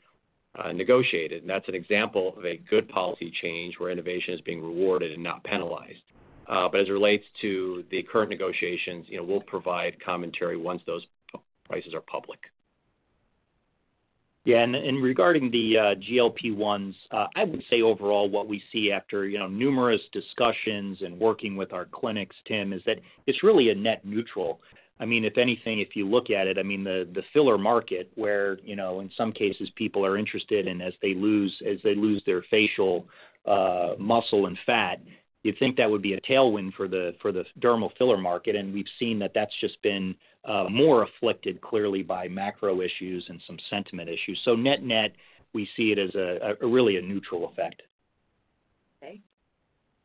Speaker 3: negotiated. That's an example of a good policy change where innovation is being rewarded and not penalized. As it relates to the current negotiations, we'll provide commentary once those prices are public.
Speaker 4: Yeah. Regarding the GLP-1s, I would say overall, what we see after numerous discussions and working with our clinics, Tim, is that it's really a net neutral. I mean, if anything, if you look at it, the filler market, where in some cases people are interested in as they lose their facial muscle and fat, you'd think that would be a tailwind for the dermal filler market. We've seen that that's just been more afflicted clearly by macro issues and some sentiment issues. Net net, we see it as really a neutral effect.
Speaker 2: Okay.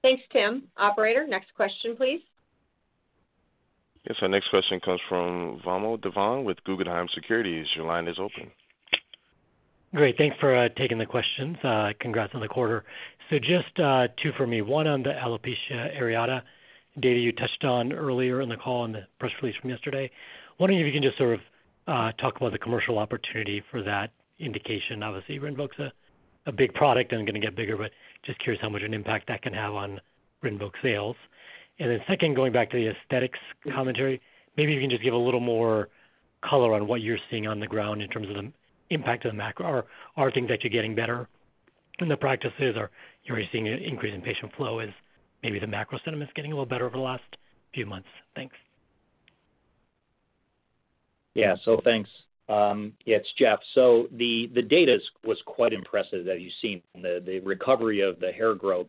Speaker 2: Thanks, Tim. Operator, next question, please.
Speaker 1: Yes. Our next question comes from Valmont Devon with Guggenheim Securities. Your line is open. Great. Thanks for taking the questions. Congrats on the quarter. Just two for me. One on the Alopecia Areata data you touched on earlier in the call and the press release from yesterday. Wondering if you can just sort of talk about the commercial opportunity for that indication. Obviously, RINVOQ's a big product and going to get bigger, but just curious how much an impact that can have on RINVOQ sales. Second, going back to the aesthetics commentary, maybe you can just give a little more color on what you're seeing on the ground in terms of the impact of the macro. Are things actually getting better in the practices, or are you seeing an increase in patient flow as maybe the macro sentiment's getting a little better over the last few months? Thanks.
Speaker 4: Yeah. Thanks. Yeah, it's Jeff. The data was quite impressive that you've seen the recovery of the hair growth,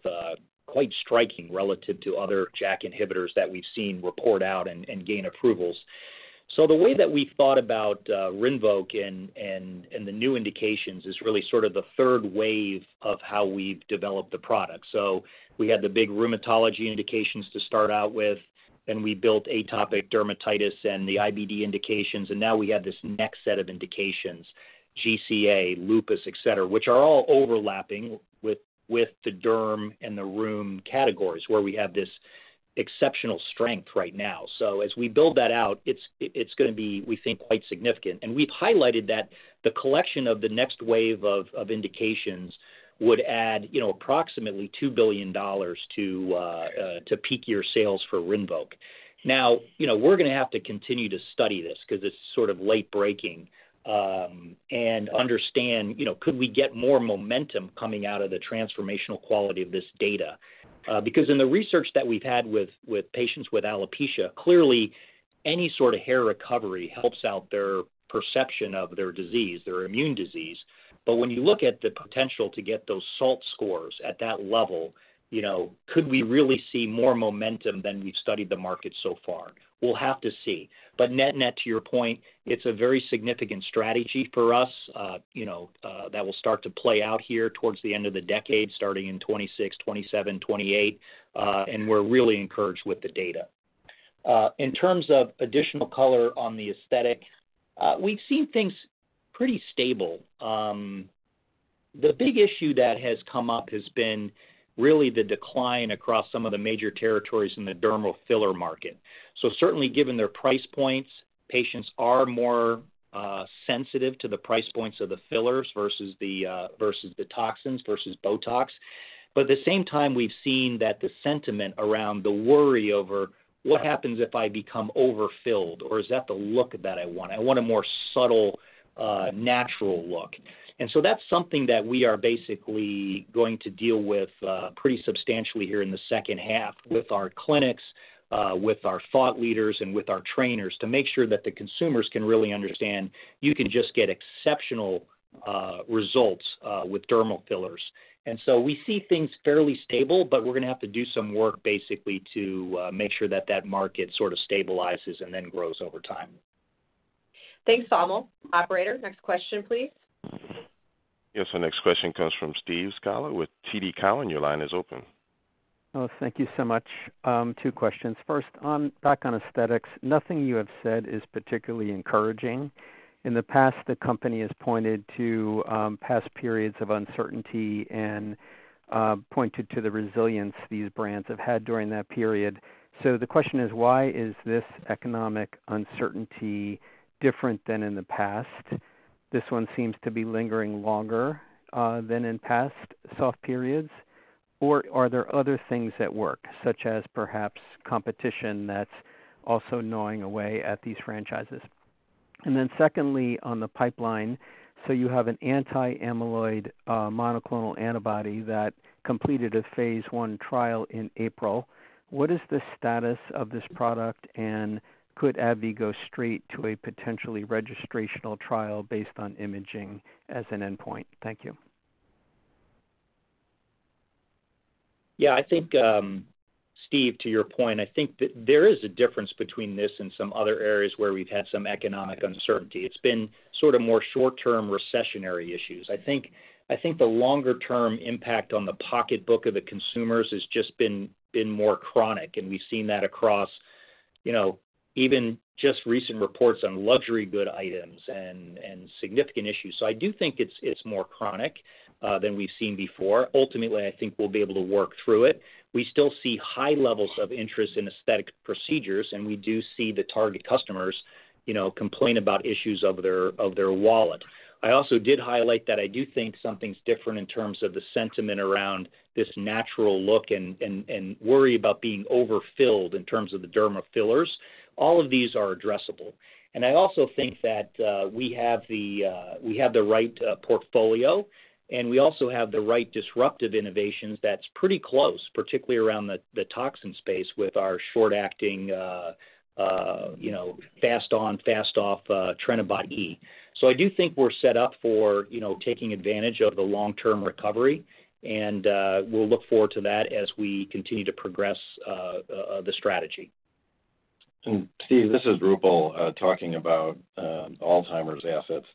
Speaker 4: quite striking relative to other JAK inhibitors that we've seen report out and gain approvals. The way that we thought about RINVOQ and the new indications is really sort of the third wave of how we've developed the product. We had the big rheumatology indications to start out with, then we built atopic dermatitis and the IBD indications, and now we have this next set of indications, GCA, lupus, etc., which are all overlapping with the derm and the room categories where we have this exceptional strength right now. As we build that out, it's going to be, we think, quite significant. We've highlighted that the collection of the next wave of indications would add approximately $2 billion to peak year sales for RINVOQ. Now, we're going to have to continue to study this because it's sort of late-breaking and understand, could we get more momentum coming out of the transformational quality of this data? Because in the research that we've had with patients with alopecia, clearly, any sort of hair recovery helps out their perception of their disease, their immune disease. When you look at the potential to get those SALT scores at that level, could we really see more momentum than we've studied the market so far? We'll have to see. Net net, to your point, it's a very significant strategy for us that will start to play out here towards the end of the decade, starting in 2026, 2027, 2028. We're really encouraged with the data. In terms of additional color on the aesthetic, we've seen things pretty stable. The big issue that has come up has been really the decline across some of the major territories in the dermal filler market. Certainly, given their price points, patients are more sensitive to the price points of the fillers versus the toxins versus BOTOX. At the same time, we've seen that the sentiment around the worry over, "What happens if I become overfilled, or is that the look that I want? I want a more subtle, natural look." That is something that we are basically going to deal with pretty substantially here in the second half with our clinics, with our thought leaders, and with our trainers to make sure that the consumers can really understand you can just get exceptional results with dermal fillers. We see things fairly stable, but we're going to have to do some work basically to make sure that that market sort of stabilizes and then grows over time.
Speaker 2: Thanks, Valmont. Operator, next question, please.
Speaker 1: Yes. Our next question comes from Steve Scala with TD Cowen. Your line is open.
Speaker 13: Thank you so much. Two questions. First, back on aesthetics, nothing you have said is particularly encouraging. In the past, the company has pointed to past periods of uncertainty and pointed to the resilience these brands have had during that period. The question is, why is this economic uncertainty different than in the past? This one seems to be lingering longer than in past soft periods. Are there other things at work, such as perhaps competition that's also gnawing away at these franchises? Secondly, on the pipeline, you have an anti-amyloid monoclonal antibody that completed a phase one trial in April. What is the status of this product, and could AbbVie go straight to a potentially registrational trial based on imaging as an endpoint? Thank you.
Speaker 4: Yeah. I think, Steve, to your point, I think that there is a difference between this and some other areas where we've had some economic uncertainty. It's been sort of more short-term recessionary issues. I think the longer-term impact on the pocketbook of the consumers has just been more chronic. We've seen that across even just recent reports on luxury good items and significant issues. I do think it's more chronic than we've seen before. Ultimately, I think we'll be able to work through it. We still see high levels of interest in aesthetic procedures, and we do see the target customers complain about issues of their wallet. I also did highlight that I do think something's different in terms of the sentiment around this natural look and worry about being overfilled in terms of the dermal fillers. All of these are addressable. I also think that we have the right portfolio, and we also have the right disruptive innovations that are pretty close, particularly around the toxin space with our short-acting, fast-on, fast-off TrenibotE. I do think we are set up for taking advantage of the long-term recovery. We will look forward to that as we continue to progress the strategy.
Speaker 5: Steve, this is Roopal talking about Alzheimer's assets.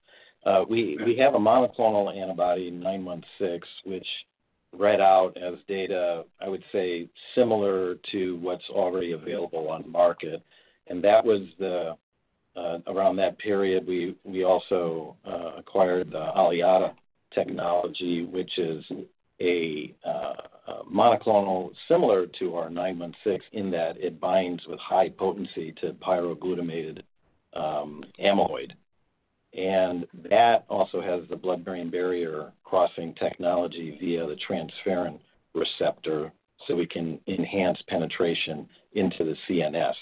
Speaker 5: We have a monoclonal antibody in 9M6, which read out as data, I would say, similar to what's already available on the market. That was around that period. We also acquired the Aliada technology, which is a monoclonal similar to our 9M6 in that it binds with high potency to pyroglutamate amyloid. That also has the blood-brain barrier crossing technology via the transferrin receptor so we can enhance penetration into the CNS.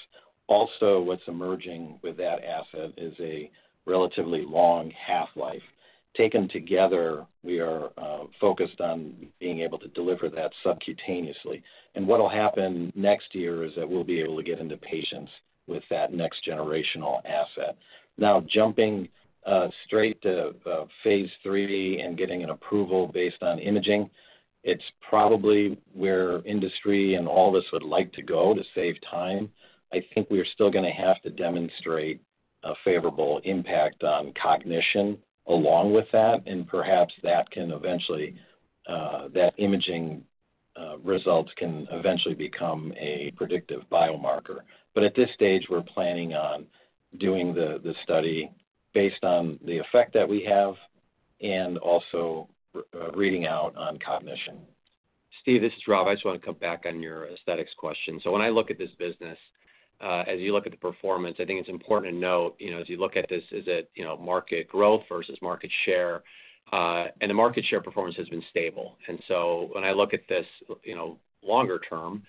Speaker 5: Also, what's emerging with that asset is a relatively long half-life. Taken together, we are focused on being able to deliver that subcutaneously. What will happen next year is that we'll be able to get into patients with that next generational asset. Now, jumping straight to phase three and getting an approval based on imaging, it's probably where industry and all of us would like to go to save time. I think we're still going to have to demonstrate a favorable impact on cognition along with that. Perhaps that imaging results can eventually become a predictive biomarker. At this stage, we're planning on doing the study based on the effect that we have and also reading out on cognition.
Speaker 3: Steve, this is Rob. I just want to come back on your aesthetics question. When I look at this business, as you look at the performance, I think it's important to note as you look at this, is it market growth versus market share? The market share performance has been stable. When I look at this longer term,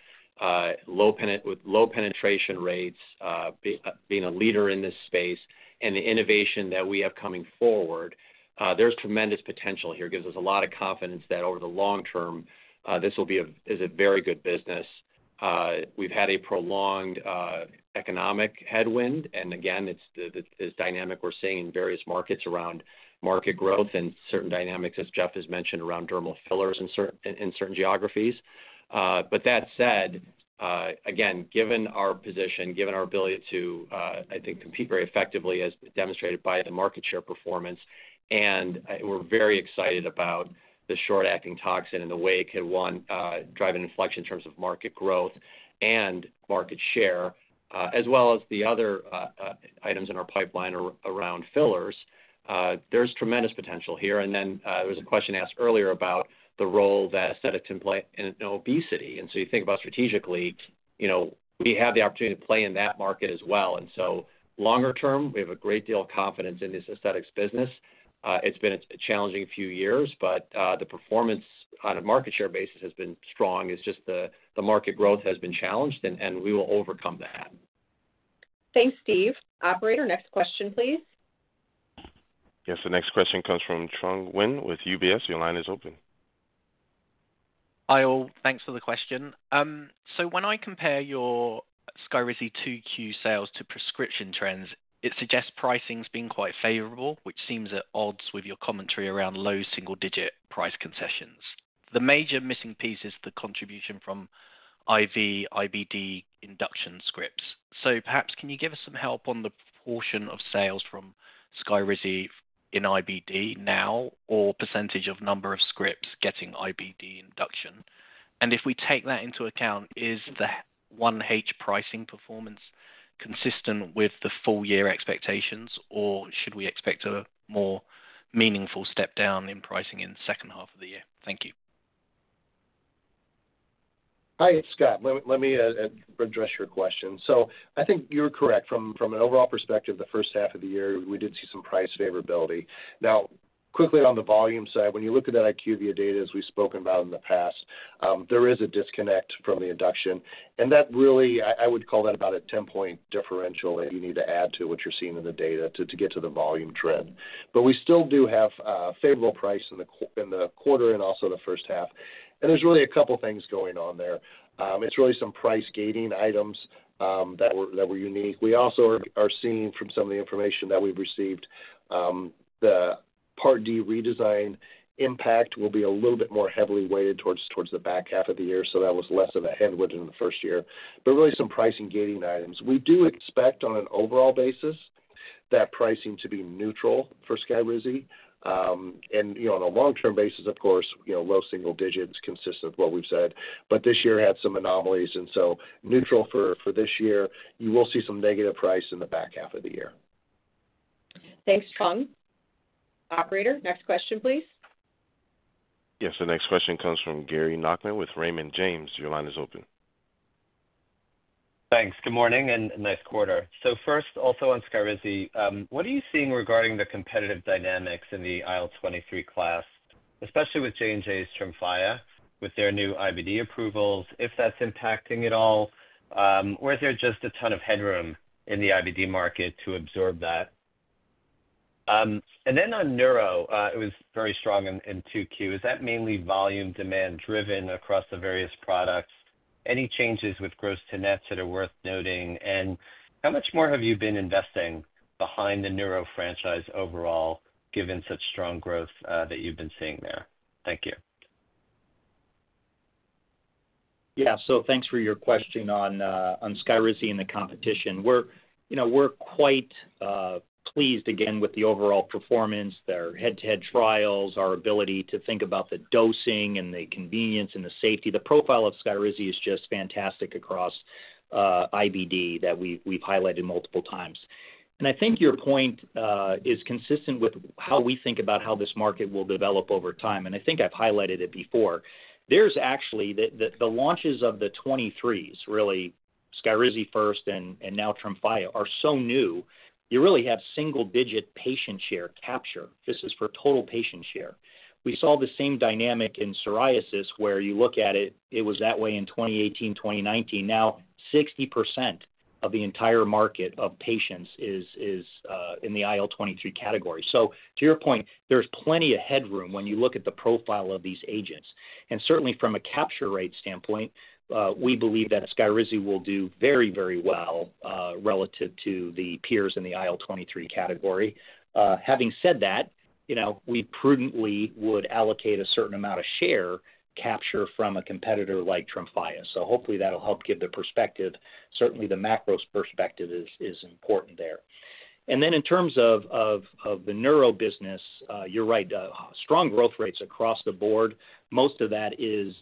Speaker 3: low penetration rates, being a leader in this space, and the innovation that we have coming forward, there is tremendous potential here. It gives us a lot of confidence that over the long term, this will be a very good business. We have had a prolonged economic headwind. Again, it is this dynamic we are seeing in various markets around market growth and certain dynamics, as Jeff has mentioned, around dermal fillers in certain geographies. That said, given our position, given our ability to, I think, compete very effectively as demonstrated by the market share performance, we are very excited about the short-acting toxin and the way it could drive an inflection in terms of market growth and market share, as well as the other items in our pipeline around fillers. There is tremendous potential here. There was a question asked earlier about the role that aesthetics can play in obesity. You think about strategically, we have the opportunity to play in that market as well. Longer term, we have a great deal of confidence in this aesthetics business. It's been a challenging few years, but the performance on a market share basis has been strong. It's just the market growth has been challenged, and we will overcome that.
Speaker 2: Thanks, Steve. Operator, next question, please.
Speaker 1: Yes. The next question comes from Chung Nguyen with UBS. Your line is open. Hi, all. Thanks for the question. When I compare your SKYRIZI 2Q sales to prescription trends, it suggests pricing's been quite favorable, which seems at odds with your commentary around low single-digit price concessions. The major missing piece is the contribution from IV, IBD induction scripts. Perhaps can you give us some help on the proportion of sales from SKYRIZI in IBD now or percentage of number of scripts getting IBD induction? If we take that into account, is the one-h pricing performance consistent with the full-year expectations, or should we expect a more meaningful step down in pricing in the second half of the year? Thank you.
Speaker 6: Hi, it's Scott. Let me address your question. I think you're correct. From an overall perspective, the first half of the year, we did see some price favorability. Now, quickly on the volume side, when you look at that IQVIA data, as we've spoken about in the past, there is a disconnect from the induction. I would call that about a 10-point differential that you need to add to what you're seeing in the data to get to the volume trend. We still do have a favorable price in the quarter and also the first half. There are really a couple of things going on there. It's really some price gating items that were unique. We also are seeing from some of the information that we've received the Part D redesign impact will be a little bit more heavily weighted towards the back half of the year. That was less of a headwind in the first year. Really some pricing gating items. We do expect on an overall basis that pricing to be neutral for SKYRIZI. On a long-term basis, of course, low single digits consistent with what we've said. This year had some anomalies. Neutral for this year. You will see some negative price in the back half of the year.
Speaker 2: Thanks, Chung. Operator, next question, please.
Speaker 1: Yes. The next question comes from Gary Nachman with Raymond James. Your line is open.
Speaker 14: Thanks. Good morning and nice quarter. First, also on SKYRIZI, what are you seeing regarding the competitive dynamics in the IL-23 class, especially with J&J's TREMFYA with their new IBD approvals, if that's impacting at all, or is there just a ton of headroom in the IBD market to absorb that? Then on Neuro, it was very strong in 2Q. Is that mainly volume demand driven across the various products? Any changes with gross to nets that are worth noting? How much more have you been investing behind the Neuro franchise overall, given such strong growth that you've been seeing there? Thank you.
Speaker 4: Yeah. Thanks for your question on SKYRIZI and the competition. We're quite pleased again with the overall performance, their head-to-head trials, our ability to think about the dosing and the convenience and the safety. The profile of SKYRIZI is just fantastic across IBD that we've highlighted multiple times. I think your point is consistent with how we think about how this market will develop over time. I think I've highlighted it before. There's actually the launches of the 2023s, really SKYRIZI first and now TREMFYA, are so new, you really have single-digit patient share capture. This is for total patient share. We saw the same dynamic in psoriasis where you look at it, it was that way in 2018, 2019. Now, 60% of the entire market of patients is in the IL-23 category. To your point, there's plenty of headroom when you look at the profile of these agents. Certainly from a capture rate standpoint, we believe that SKYRIZI will do very, very well relative to the peers in the IL-23 category. Having said that, we prudently would allocate a certain amount of share capture from a competitor like TREMFYA. Hopefully that'll help give the perspective. Certainly, the macro perspective is important there. In terms of the Neuro business, you're right, strong growth rates across the board. Most of that is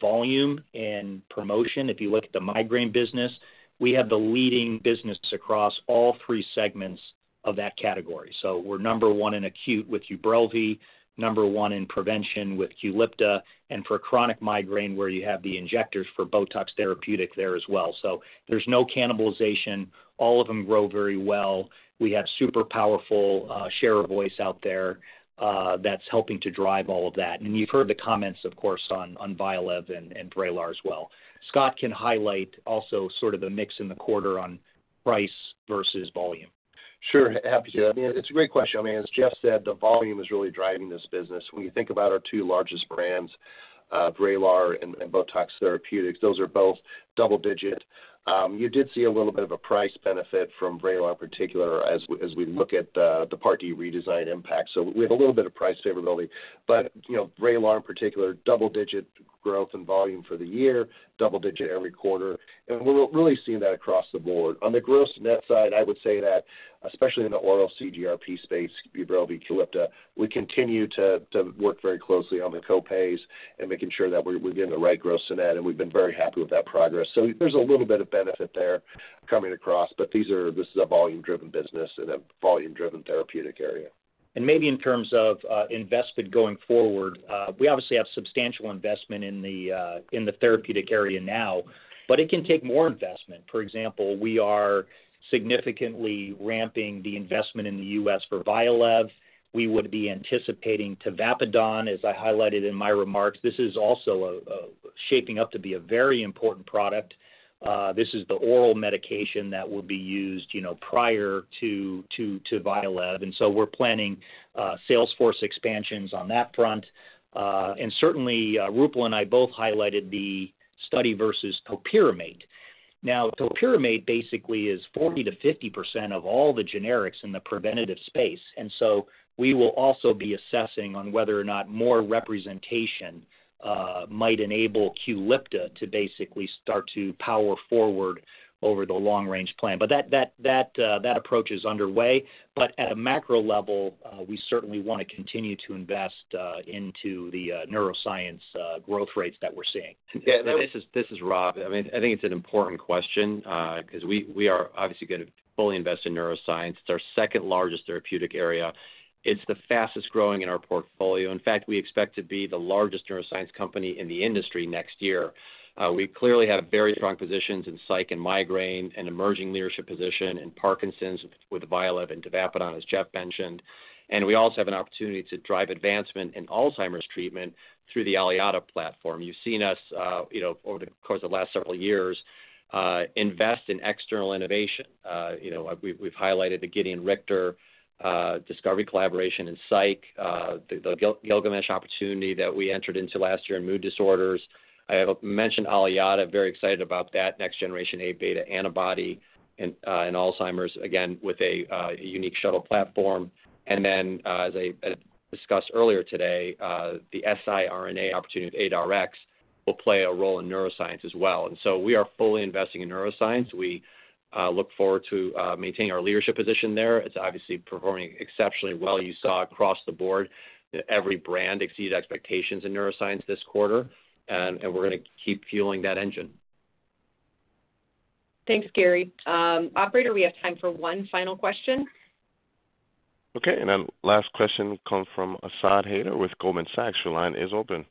Speaker 4: volume and promotion. If you look at the migraine business, we have the leading business across all three segments of that category. We're number one in acute with UBRELVY, number one in prevention with QULIPTA, and for chronic migraine where you have the injectors for BOTOX Therapeutic there as well. There's no cannibalization. All of them grow very well. We have super powerful share of voice out there that's helping to drive all of that. You have heard the comments, of course, on VYALEV and VRAYLAR as well. Scott can highlight also sort of the mix in the quarter on price versus volume.
Speaker 6: Sure. Happy to. I mean, it's a great question. I mean, as Jeff said, the volume is really driving this business. When you think about our two largest brands, VRAYLAR and BOTOX Therapeutic, those are both double-digit. You did see a little bit of a price benefit from VRAYLAR in particular as we look at the Part D redesign impact. We have a little bit of price favorability. VRAYLAR in particular, double-digit growth and volume for the year, double-digit every quarter. We're really seeing that across the board. On the gross net side, I would say that especially in the oral CGRP space, UBRELVY, QULIPTA, we continue to work very closely on the co-pays and making sure that we're getting the right gross net. We've been very happy with that progress. There's a little bit of benefit there coming across, but this is a volume-driven business in a volume-driven therapeutic area.
Speaker 4: Maybe in terms of investment going forward, we obviously have substantial investment in the therapeutic area now, but it can take more investment. For example, we are significantly ramping the investment in the U.S. for VYALEV. We would be anticipating tavapadon, as I highlighted in my remarks. This is also shaping up to be a very important product. This is the oral medication that will be used prior to VYALEV. We are planning Salesforce expansions on that front. Certainly, Roopal and I both highlighted the study versus topiramate. Now, topiramate basically is 40%-50% of all the generics in the preventative space. We will also be assessing on whether or not more representation might enable QULIPTA to basically start to power forward over the long-range plan. That approach is underway. At a macro level, we certainly want to continue to invest into the neuroscience growth rates that we're seeing.
Speaker 3: Yeah. This is Rob. I mean, I think it's an important question because we are obviously going to fully invest in neuroscience. It's our second largest therapeutic area. It's the fastest growing in our portfolio. In fact, we expect to be the largest neuroscience company in the industry next year. We clearly have very strong positions in psych and migraine and emerging leadership position in Parkinson's with VYALEV and Tavapadon, as Jeff mentioned. We also have an opportunity to drive advancement in Alzheimer's treatment through the Aliada platform. You've seen us over the course of the last several years invest in external innovation. We've highlighted the Gedeon Richter discovery collaboration in psych, the Gilgamesh opportunity that we entered into last year in mood disorders. I have mentioned Aliada, very excited about that next-generation A beta antibody in Alzheimer's, again, with a unique shuttle platform. As I discussed earlier today, the siRNA opportunity with ADARx will play a role in neuroscience as well. We are fully investing in neuroscience. We look forward to maintaining our leadership position there. It is obviously performing exceptionally well. You saw across the board, every brand exceeded expectations in neuroscience this quarter, and we are going to keep fueling that engine.
Speaker 2: Thanks, Gary. Operator, we have time for one final question.
Speaker 1: Okay. And then last question comes from Asad Haider with Goldman Sachs. Your line is open.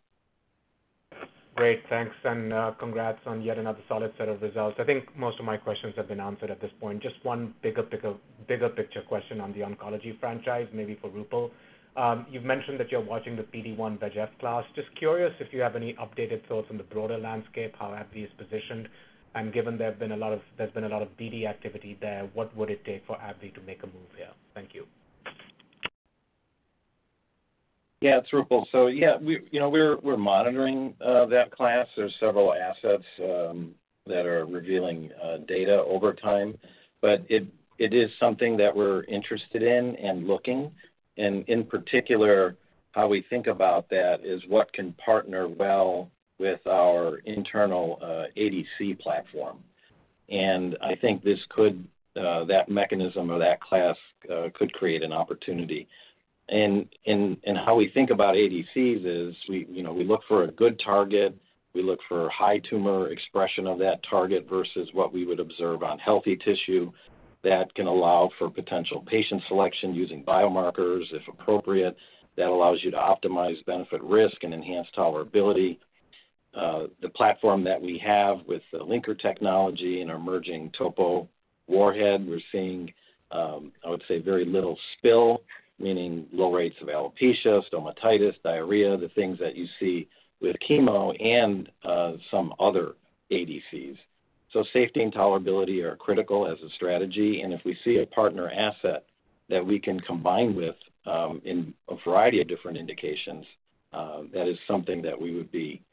Speaker 15: Great. Thanks. And congrats on yet another solid set of results. I think most of my questions have been answered at this point. Just one bigger picture question on the oncology franchise, maybe for Roopal. You've mentioned that you're watching the PD-1/VEGF class. Just curious if you have any updated thoughts on the broader landscape, how AbbVie is positioned. And given there's been a lot of BD activity there, what would it take for AbbVie to make a move here? Thank you.
Speaker 5: Yeah. It's Roopal. Yeah, we're monitoring that class. There are several assets that are revealing data over time. It is something that we're interested in and looking. In particular, how we think about that is what can partner well with our internal ADC platform. I think that mechanism or that class could create an opportunity. How we think about ADCs is we look for a good target. We look for high tumor expression of that target versus what we would observe on healthy tissue that can allow for potential patient selection using biomarkers if appropriate. That allows you to optimize benefit risk and enhance tolerability. The platform that we have with the linker technology and our emerging topo warhead, we're seeing, I would say, very little spill, meaning low rates of alopecia, stomatitis, diarrhea, the things that you see with chemo and some other ADCs. Safety and tolerability are critical as a strategy. If we see a partner asset that we can combine with in a variety of different indications, that is something that we would be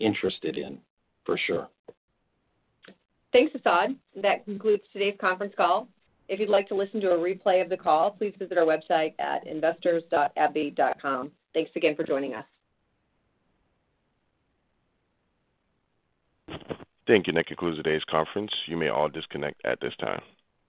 Speaker 5: interested in for sure.
Speaker 2: Thanks, Asad. That concludes today's conference call. If you'd like to listen to a replay of the call, please visit our website at investors.abbvie.com. Thanks again for joining us.
Speaker 1: Thank you. That concludes today's conference. You may all disconnect at this time.